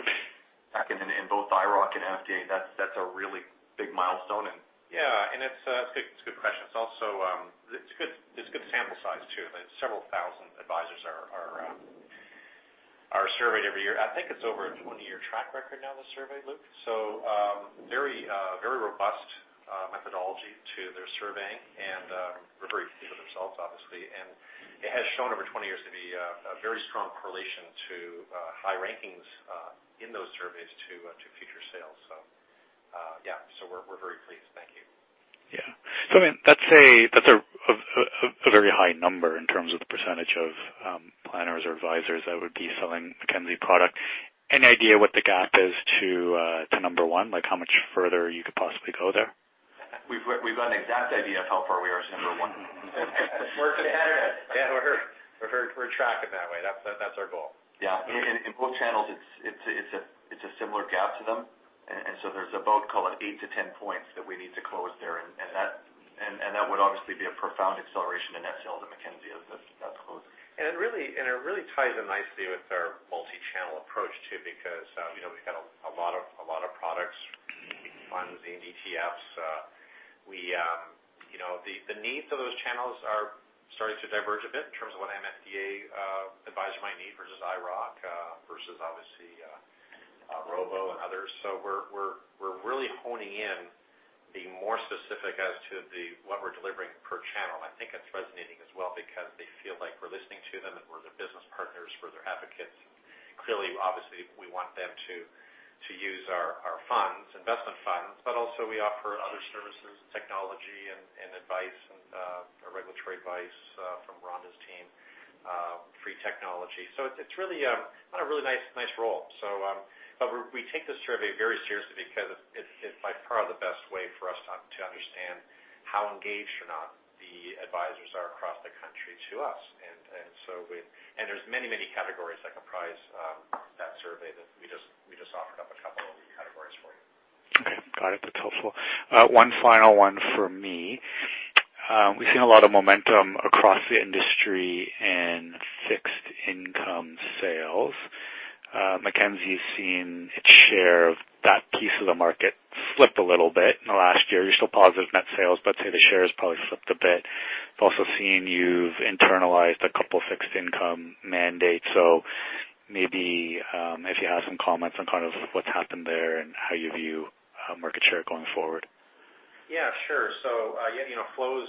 Back in both IIROC and MFDA, that's a really big milestone. Yeah, it's a good question. It's also a good sample size, too. But several thousand advisors are surveyed every year. I think it's over a 20-year track record now, the survey, Luke. So, very robust methodology to their surveying and very for themselves, obviously. It has shown over 20 years to be a very strong correlation to high rankings in those surveys to future sales. So, yeah, we're very pleased. Thank you. Yeah. So, I mean, that's a very high number in terms of the percentage of planners or advisors that would be selling Mackenzie product. Any idea what the gap is to number one? Like how much further you could possibly go there? We've got an exact idea of how far we are to number one. We're competitive. Yeah, we're tracking that way. That's our goal. Yeah. In both channels, it's a similar gap to them. And so there's about, call it 8-10 points that we need to close there, and that would obviously be a profound acceleration in that sale to Mackenzie as that's closed. It really ties in nicely with our multi-channel approach, too, because, you know, we've got a lot of products, funds and ETFs. You know, the needs of those channels are starting to diverge a bit in terms of what an MFDA advisor might need versus IIROC versus obviously robo and others. So we're really honing in, being more specific as to what we're delivering. I think it's resonating as well because they feel like we're listening to them and we're their business partners, we're their advocates. Clearly, obviously, we want them to use our funds, investment funds, but also we offer other services, technology and advice, and regulatory advice from Rhonda's team, free technology. So it's really on a really nice role. So, but we take this survey very seriously because it's by far the best way for us to understand how engaged or not the advisors are across the country to us. And so there's many, many categories that comprise that survey that we just offered up a couple of the categories for you. Okay, got it. That's helpful. One final one for me. We've seen a lot of momentum across the industry in fixed income sales. Mackenzie's seen its share of that piece of the market slipped a little bit in the last year. You're still positive net sales, but say the share has probably slipped a bit. Also seen you've internalized a couple of fixed income mandates. So maybe, if you have some comments on kind of what's happened there and how you view, market share going forward. Yeah, sure. So, you know, flows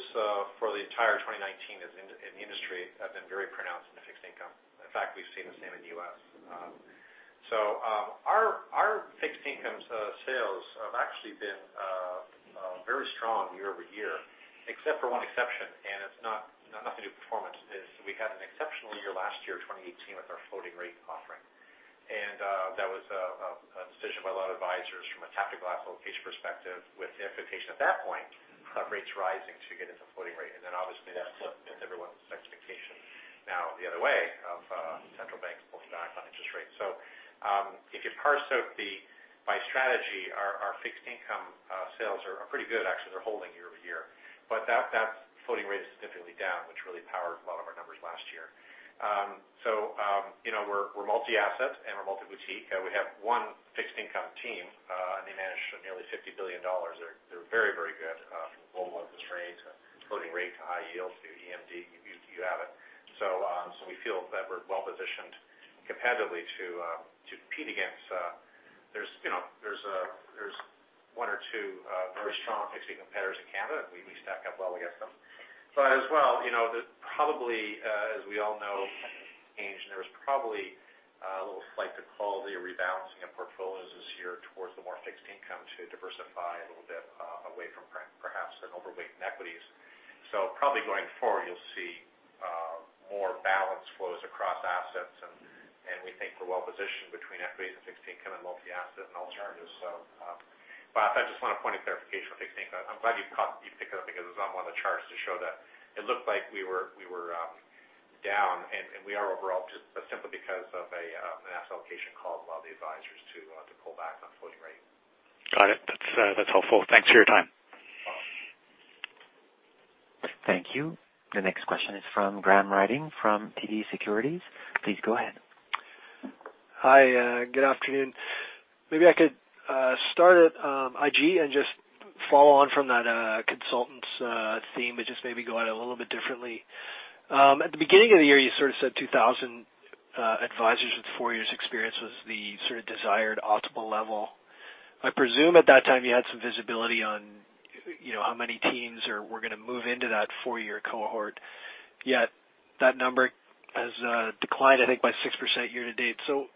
for the entire 2019 is in, in the industry have been very pronounced in the fixed income. In fact, we've seen the same in the U.S. So, our fixed income sales have actually been very strong year-over-year, except for one exception, and it's nothing to do with performance. It's we had an exceptional year last year, 2018, with our floating rate offering. And that was a decision by a lot of advisors from a tactical allocation perspective, with the expectation at that point, of rates rising to get into floating rate. And then, obviously, that flipped everyone's expectation. Now, the other way of central banks pulling back on interest rates. So, if you parse out the by strategy, our fixed income sales are pretty good, actually. They're holding year-over-year. But that floating rate is significantly down, which really powered a lot of our numbers last year. So, you know, we're multi-asset and we're multi-boutique. We have one fixed income team, and they manage nearly 50 billion dollars. They're very, very good, global interest rates, floating rate, high yield to EMD, you have it. So, we feel that we're well positioned competitively to compete against, there's, you know, there's one or two very strong fixed income competitors in Canada, and we stack up well against them. But as well, you know, the probably, as we all know, change, there's probably a little slight qualitative rebalancing of portfolios this year towards the more fixed income to diversify a little bit away from perhaps an overweight in equities. So probably going forward, you'll see more balanced flows across assets, and we think we're well positioned between equities and fixed income and multi-asset and alternatives. So, but I just want a point of clarification with fixed income. I'm glad you caught - you picked it up because it was on one of the charts to show that it looked like we were down, and we are overall, just simply because of an asset allocation call by the advisors to pull back on floating rate. Got it. That's, that's helpful. Thanks for your time. Thank you. The next question is from Graham Ryding, from TD Securities. Please go ahead. Hi, good afternoon. Maybe I could start at IG and just follow on from that consultants theme, but just maybe go at it a little bit differently. At the beginning of the year, you sort of said 2000 advisors with four years experience was the sort of desired optimal level. I presume at that time you had some visibility on, you know, how many teams were going to move into that four-year cohort, yet that number has declined, I think, by 6% year to date. So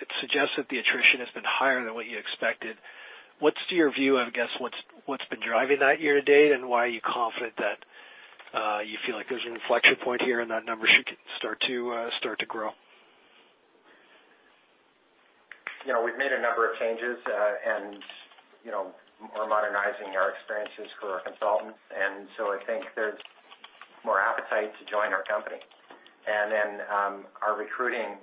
it suggests that the attrition has been higher than what you expected. What's your view, I guess, what's been driving that year to date, and why are you confident that you feel like there's an inflection point here and that number should start to start to grow? You know, we've made a number of changes, and, you know, we're modernizing our experiences for our consultants, and so I think there's more appetite to join our company. And then, our recruiting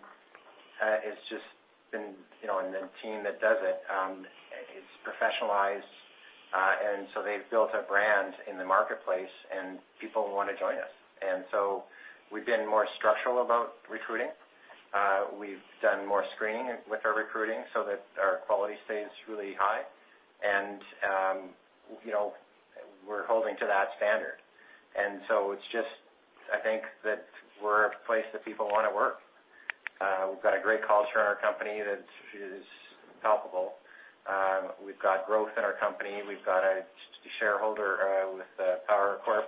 has just been, you know, and the team that does it, it's professionalized, and so they've built a brand in the marketplace, and people want to join us. And so we've been more structural about recruiting. We've done more screening with our recruiting so that our quality stays really high. And, you know, we're holding to that standard. And so it's just, I think, that we're a place that people want to work. We've got a great culture in our company that is palpable. We've got growth in our company. We've got a shareholder with the power, of course,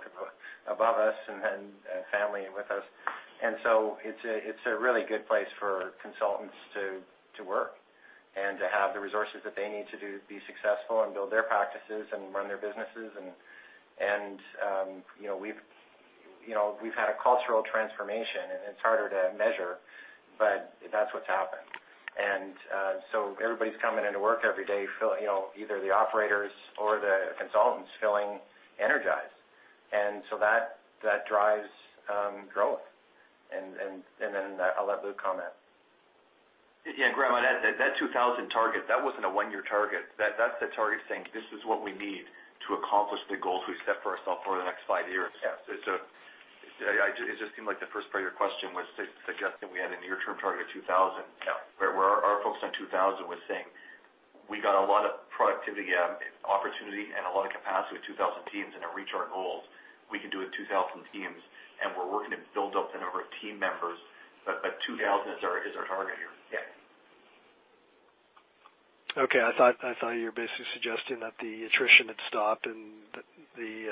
above us and family with us. And so it's a really good place for consultants to work and to have the resources that they need to be successful and build their practices and run their businesses. And you know, we've had a cultural transformation, and it's harder to measure, but that's what's happened. And so everybody's coming into work every day feeling you know, either the operators or the consultants feeling energized. And so that drives growth. And then I'll let Luke comment. Yeah, Graham, that, that 2,000 target, that wasn't a one-year target. That, that's the target saying, this is what we need to accomplish the goals we set for ourselves over the next five years. Yeah. It's, it just seemed like the first part of your question was suggesting we had a near-term target of 2,000. Yeah. Whereas our focus on 2,000 was saying, we got a lot of productivity opportunity and a lot of capacity with 2,000 teams, and to reach our goals, we can do it with 2,000 teams, and we're working to build up the number of team members, but 2,000 is our target here. Yeah. Okay, I thought, I thought you were basically suggesting that the attrition had stopped and that the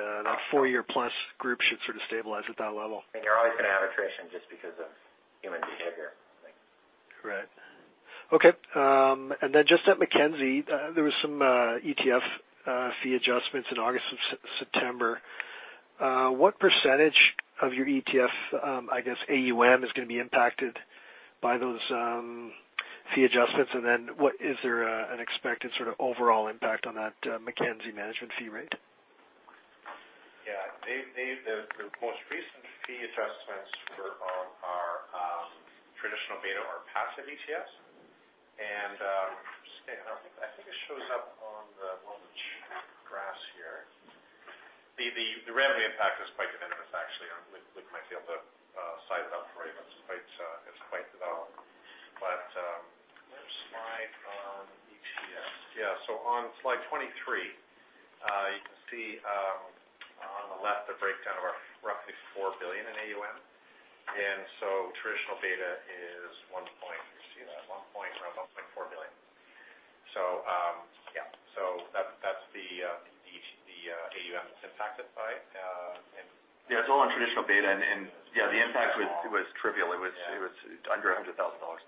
four-year plus group should sort of stabilize at that level. You're always going to have attrition just because of human behavior. Right. Okay, and then just at Mackenzie, there was some ETF fee adjustments in August and September. What percentage of your ETF, I guess, AUM, is going to be impacted by those fee adjustments? And then what is there an expected sort of overall impact on that Mackenzie management fee rate? Yeah, the most recent fee adjustments were traditional beta, or passive ETFs. And I think it shows up on one of the charts and graphs here. The revenue impact is quite de minimis, actually. Luke might be able to size it up for you, but it's quite. But where's my ETFs? Yeah, so on slide 23, you can see on the left, the breakdown of our roughly 4 billion in AUM. And so traditional beta is one point, you see that, one point, around 1.4 billion. So, yeah, so that's the AUM that's impacted by. Yeah, it's all on traditional beta. Yeah, the impact was trivial. Yeah. It was, it was under 100,000 dollars.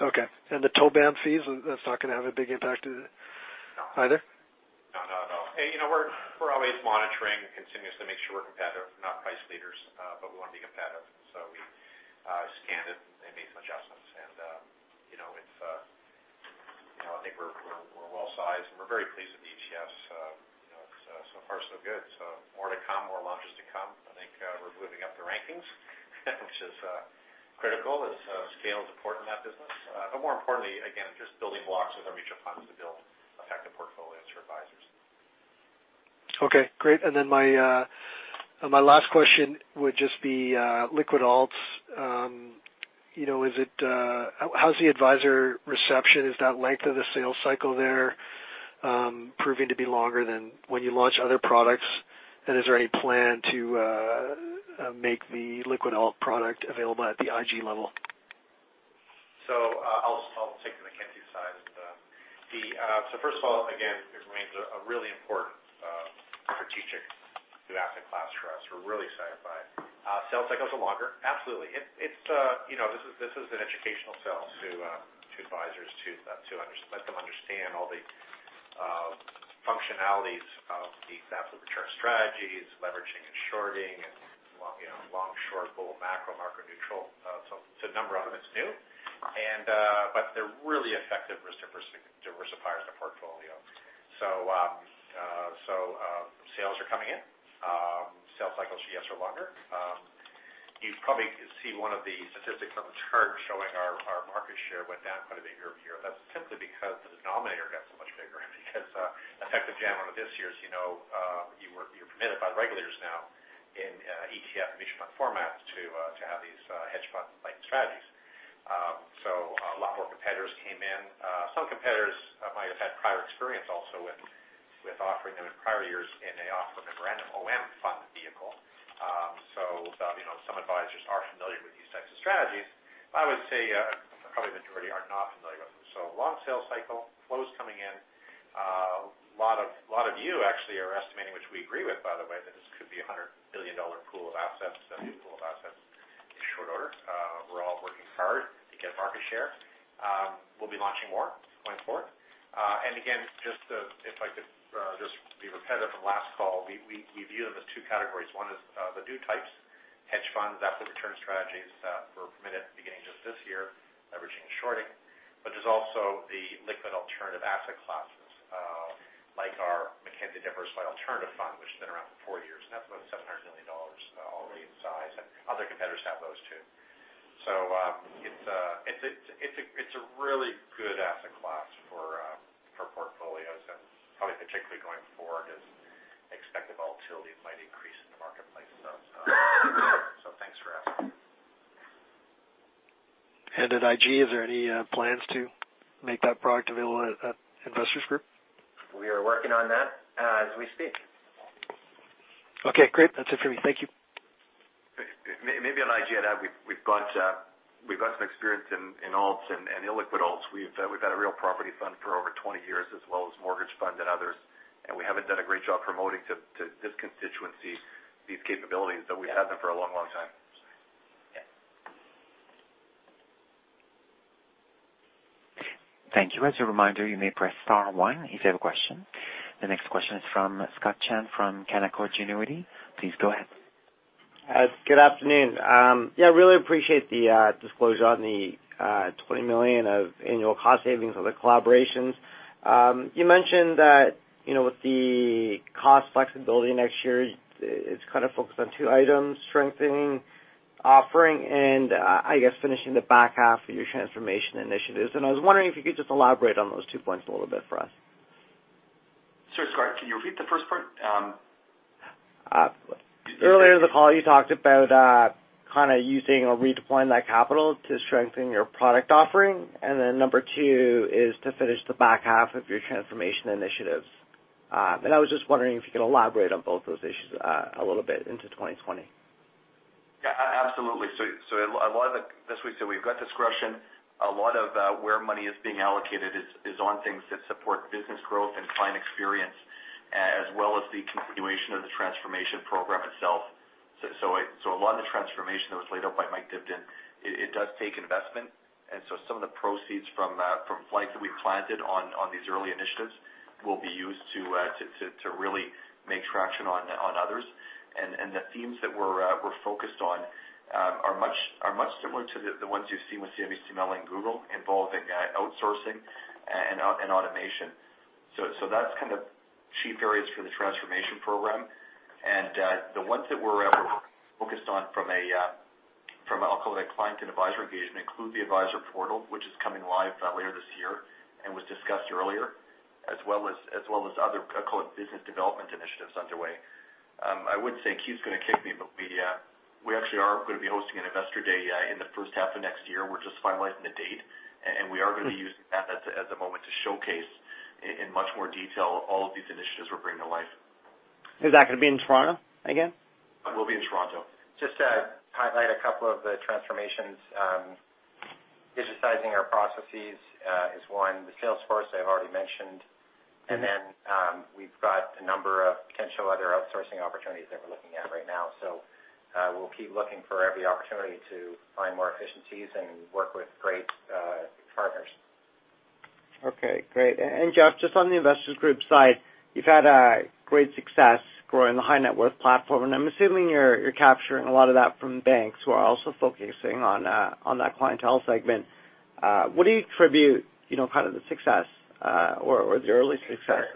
Okay. And the TOBAM fees, that's not going to have a big impact either? No. No, not at all. You know, we're always monitoring continuously to make sure we're competitive. We're not price leaders, but we want to be competitive. So we scanned it and made some adjustments. You know, it's, you know, I think we're well sized, and we're very pleased with ETFs. You know, it's so far, so good. So more to come, more launches to come. I think we're moving up the rankings, which is critical, as scale is important in that business. But more importantly, again, just building blocks with our mutual funds to build effective portfolios for advisors. Okay, great. And then my last question would just be liquid alts. You know, how's the advisor reception? Is that length of the sales cycle there proving to be longer than when you launch other products? And is there any plan to make the liquid alt product available at the IG level? So, I'll take the Mackenzie side of the. So first of all, again, it remains a really important strategic new asset class for us. We're really excited by it. Sales cycles are longer. Absolutely. It's, you know, this is an educational sell to advisors to let them understand all the functionalities of the absolute return strategies, leveraging and shorting and long, you know, long, short, bull, macro, market neutral. So, a number of them is new, and but they're really effective risk diversifiers in the portfolio. So, sales are coming in. Sales cycles, yes, are longer. You probably see one of the statistics on the chart showing our market share went down quite a bit year-over-year. That's simply because the denominator got so much bigger, because, effective January of this year, as you know, you're permitted by the regulators now in ETF or mutual fund format to to have these hedge fund-like strategies. So a lot more competitors came in. Some competitors might have had prior experience also with, with offering them in prior years, and they offer them in non-mutual fund vehicle. So, you know, some advisors are familiar with these types of strategies. I would say, probably majority are not familiar with them. So long sales cycle, flows coming in. A lot of, lot of you actually are estimating, which we agree with, by the way, that this could be a 100 billion dollar pool of assets, a new pool of assets in short order. We're all working hard to get market share. We'll be launching more going forward. And again, just, if I could, just be repetitive from last call, we view them as two categories. One is the new types, hedge funds, absolute return strategies, were permitted beginning just this year, leveraging and shorting. But there's also the liquid alternative asset classes, like our Mackenzie Diversified Alternatives Fund, which has been around for four years, and that's about 700 million dollars in size, and other competitors have those, too. So, it's a really good asset class for portfolios, and probably particularly going forward, as expected volatility might increase in the marketplace. So thanks for asking. At IG, is there any plans to make that product available at Investors Group? We are working on that, as we speak. Okay, great. That's it for me. Thank you. Maybe on IG to add, we've got some experience in alts and illiquid alts. We've had a real property fund for over 20 years, as well as mortgage fund and others, and we haven't done a great job promoting to this constituency these capabilities, but we've had them for a long, long time. Yeah. Thank you. As a reminder, you may press star one if you have a question. The next question is from Scott Chan from Canaccord Genuity. Please go ahead. Good afternoon. Yeah, really appreciate the disclosure on the 20 million of annual cost savings on the collaborations. You mentioned that, you know, with the cost flexibility next year, it's kind of focused on two items, strengthening offering, and I guess finishing the back half of your transformation initiatives. And I was wondering if you could just elaborate on those two points a little bit for us. Sure, Scott, can you repeat the first part? Earlier in the call, you talked about kind of using or redeploying that capital to strengthen your product offering. And then number 2 is to finish the back half of your transformation initiatives. I was just wondering if you could elaborate on both those issues a little bit into 2020. Absolutely. So a lot of it, as we said, we've got discretion. A lot of where money is being allocated is on things that support business growth and client experience, as well as the continuation of the transformation program itself. So a lot of the transformation that was laid out by Mike Dibden, it does take investment, and so some of the proceeds from pilots that we've launched on these early initiatives will be used to really make traction on others. And the themes that we're focused on are much similar to the ones you've seen with CIBC Mellon and Google, involving outsourcing and automation. So that's kind of key areas for the transformation program. The ones that we're focused on from a, I'll call it a client and advisor engagement, include the advisor portal, which is coming live later this year, and was discussed earlier, as well as other call it business development initiatives underway. I would say Keith's gonna kick me, but we actually are gonna be hosting an Investor Day in the first half of next year. We're just finalizing the date, and we are gonna be using that as a moment to showcase in much more detail, all of these initiatives we're bringing to life. Is that gonna be in Toronto again? It will be in Toronto. Just to highlight a couple of the transformations, digitizing our processes, is one. The Salesforce, I've already mentioned. Mm-hmm. And then, we've got a number of potential other outsourcing opportunities that we're looking at right now. So, we'll keep looking for every opportunity to find more efficiencies and work with great partners. Okay, great. And Jeff, just on the Investors Group side, you've had great success growing the high net worth platform, and I'm assuming you're capturing a lot of that from banks who are also focusing on that clientele segment. What do you attribute, you know, kind of the success or the early success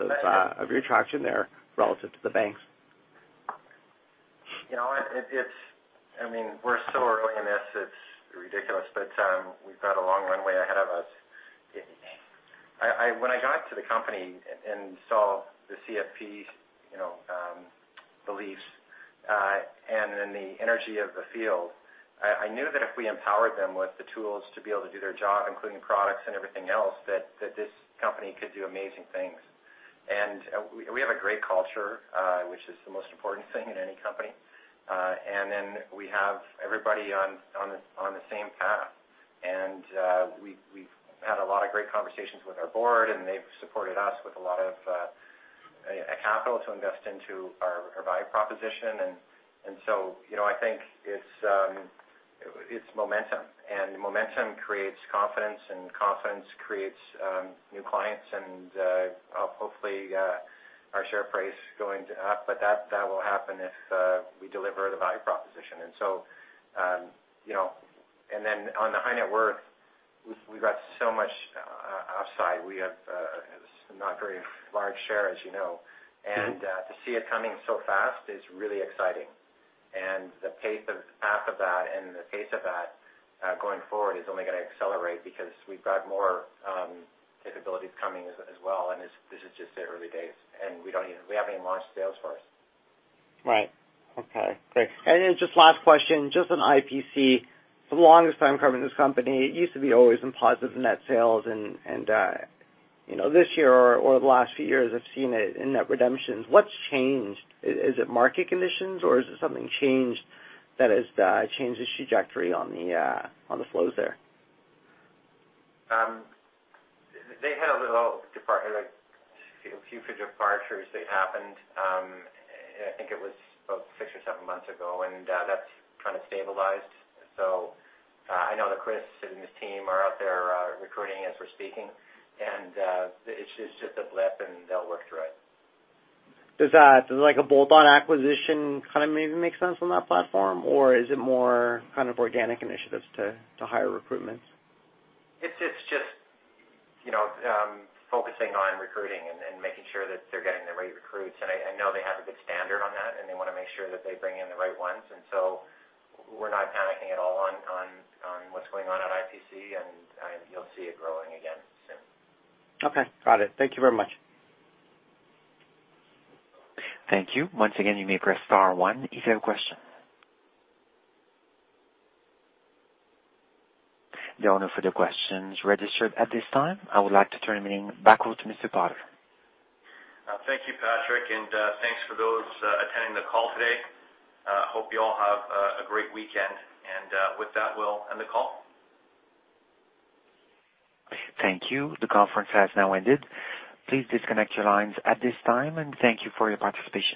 of your traction there relative to the banks? You know, it's, I mean, we're so early in this, it's ridiculous, but we've got a long runway ahead of us. When I got to the company and saw the CFP, you know, beliefs, and then the energy of the field, I knew that if we empowered them with the tools to be able to do their job, including products and everything else, that this company could do amazing things. And we have a great culture, which is the most important thing in any company. And then we have everybody on the same path. And we've had a lot of great conversations with our board, and they've supported us with a lot of capital to invest into our value proposition. So, you know, I think it's momentum, and momentum creates confidence, and confidence creates new clients, and hopefully our share price going to up. But that will happen if we deliver the value proposition. So, you know. And then on the high net worth, we've got so much outside. We have not very large share, as you know. Mm-hmm. To see it coming so fast is really exciting. The pace of path of that and the pace of that, going forward, is only gonna accelerate because we've got more capabilities coming as well, and this, this is just the early days, and we don't even, we haven't even launched Salesforce. Right. Okay, great. And then just last question, just on IPC. For the longest time covering this company, it used to be always in positive net sales and, you know, this year or the last few years, I've seen it in net redemptions. What's changed? Is it market conditions or has something changed that has changed the trajectory on the flows there? They had a little departure, like, a few key departures that happened. I think it was about six or seven months ago, and that's kind of stabilized. So, I know that Chris and his team are out there recruiting as we're speaking, and it's just a blip, and they'll work through it. Does, like, a bolt-on acquisition kind of maybe make sense on that platform, or is it more kind of organic initiatives to hire recruitments? It's just, you know, focusing on recruiting and making sure that they're getting the right recruits. And I know they have a good standard on that, and they want to make sure that they bring in the right ones. And so we're not panicking at all on what's going on at IPC, and you'll see it growing again soon. Okay, got it. Thank you very much. Thank you. Once again, you may press star one if you have a question. There are no further questions registered at this time. I would like to turn the meeting back over to Mr. Potter. Thank you, Patrick, and thanks for those attending the call today. Hope you all have a great weekend, and with that, we'll end the call. Thank you. The conference has now ended. Please disconnect your lines at this time, and thank you for your participation.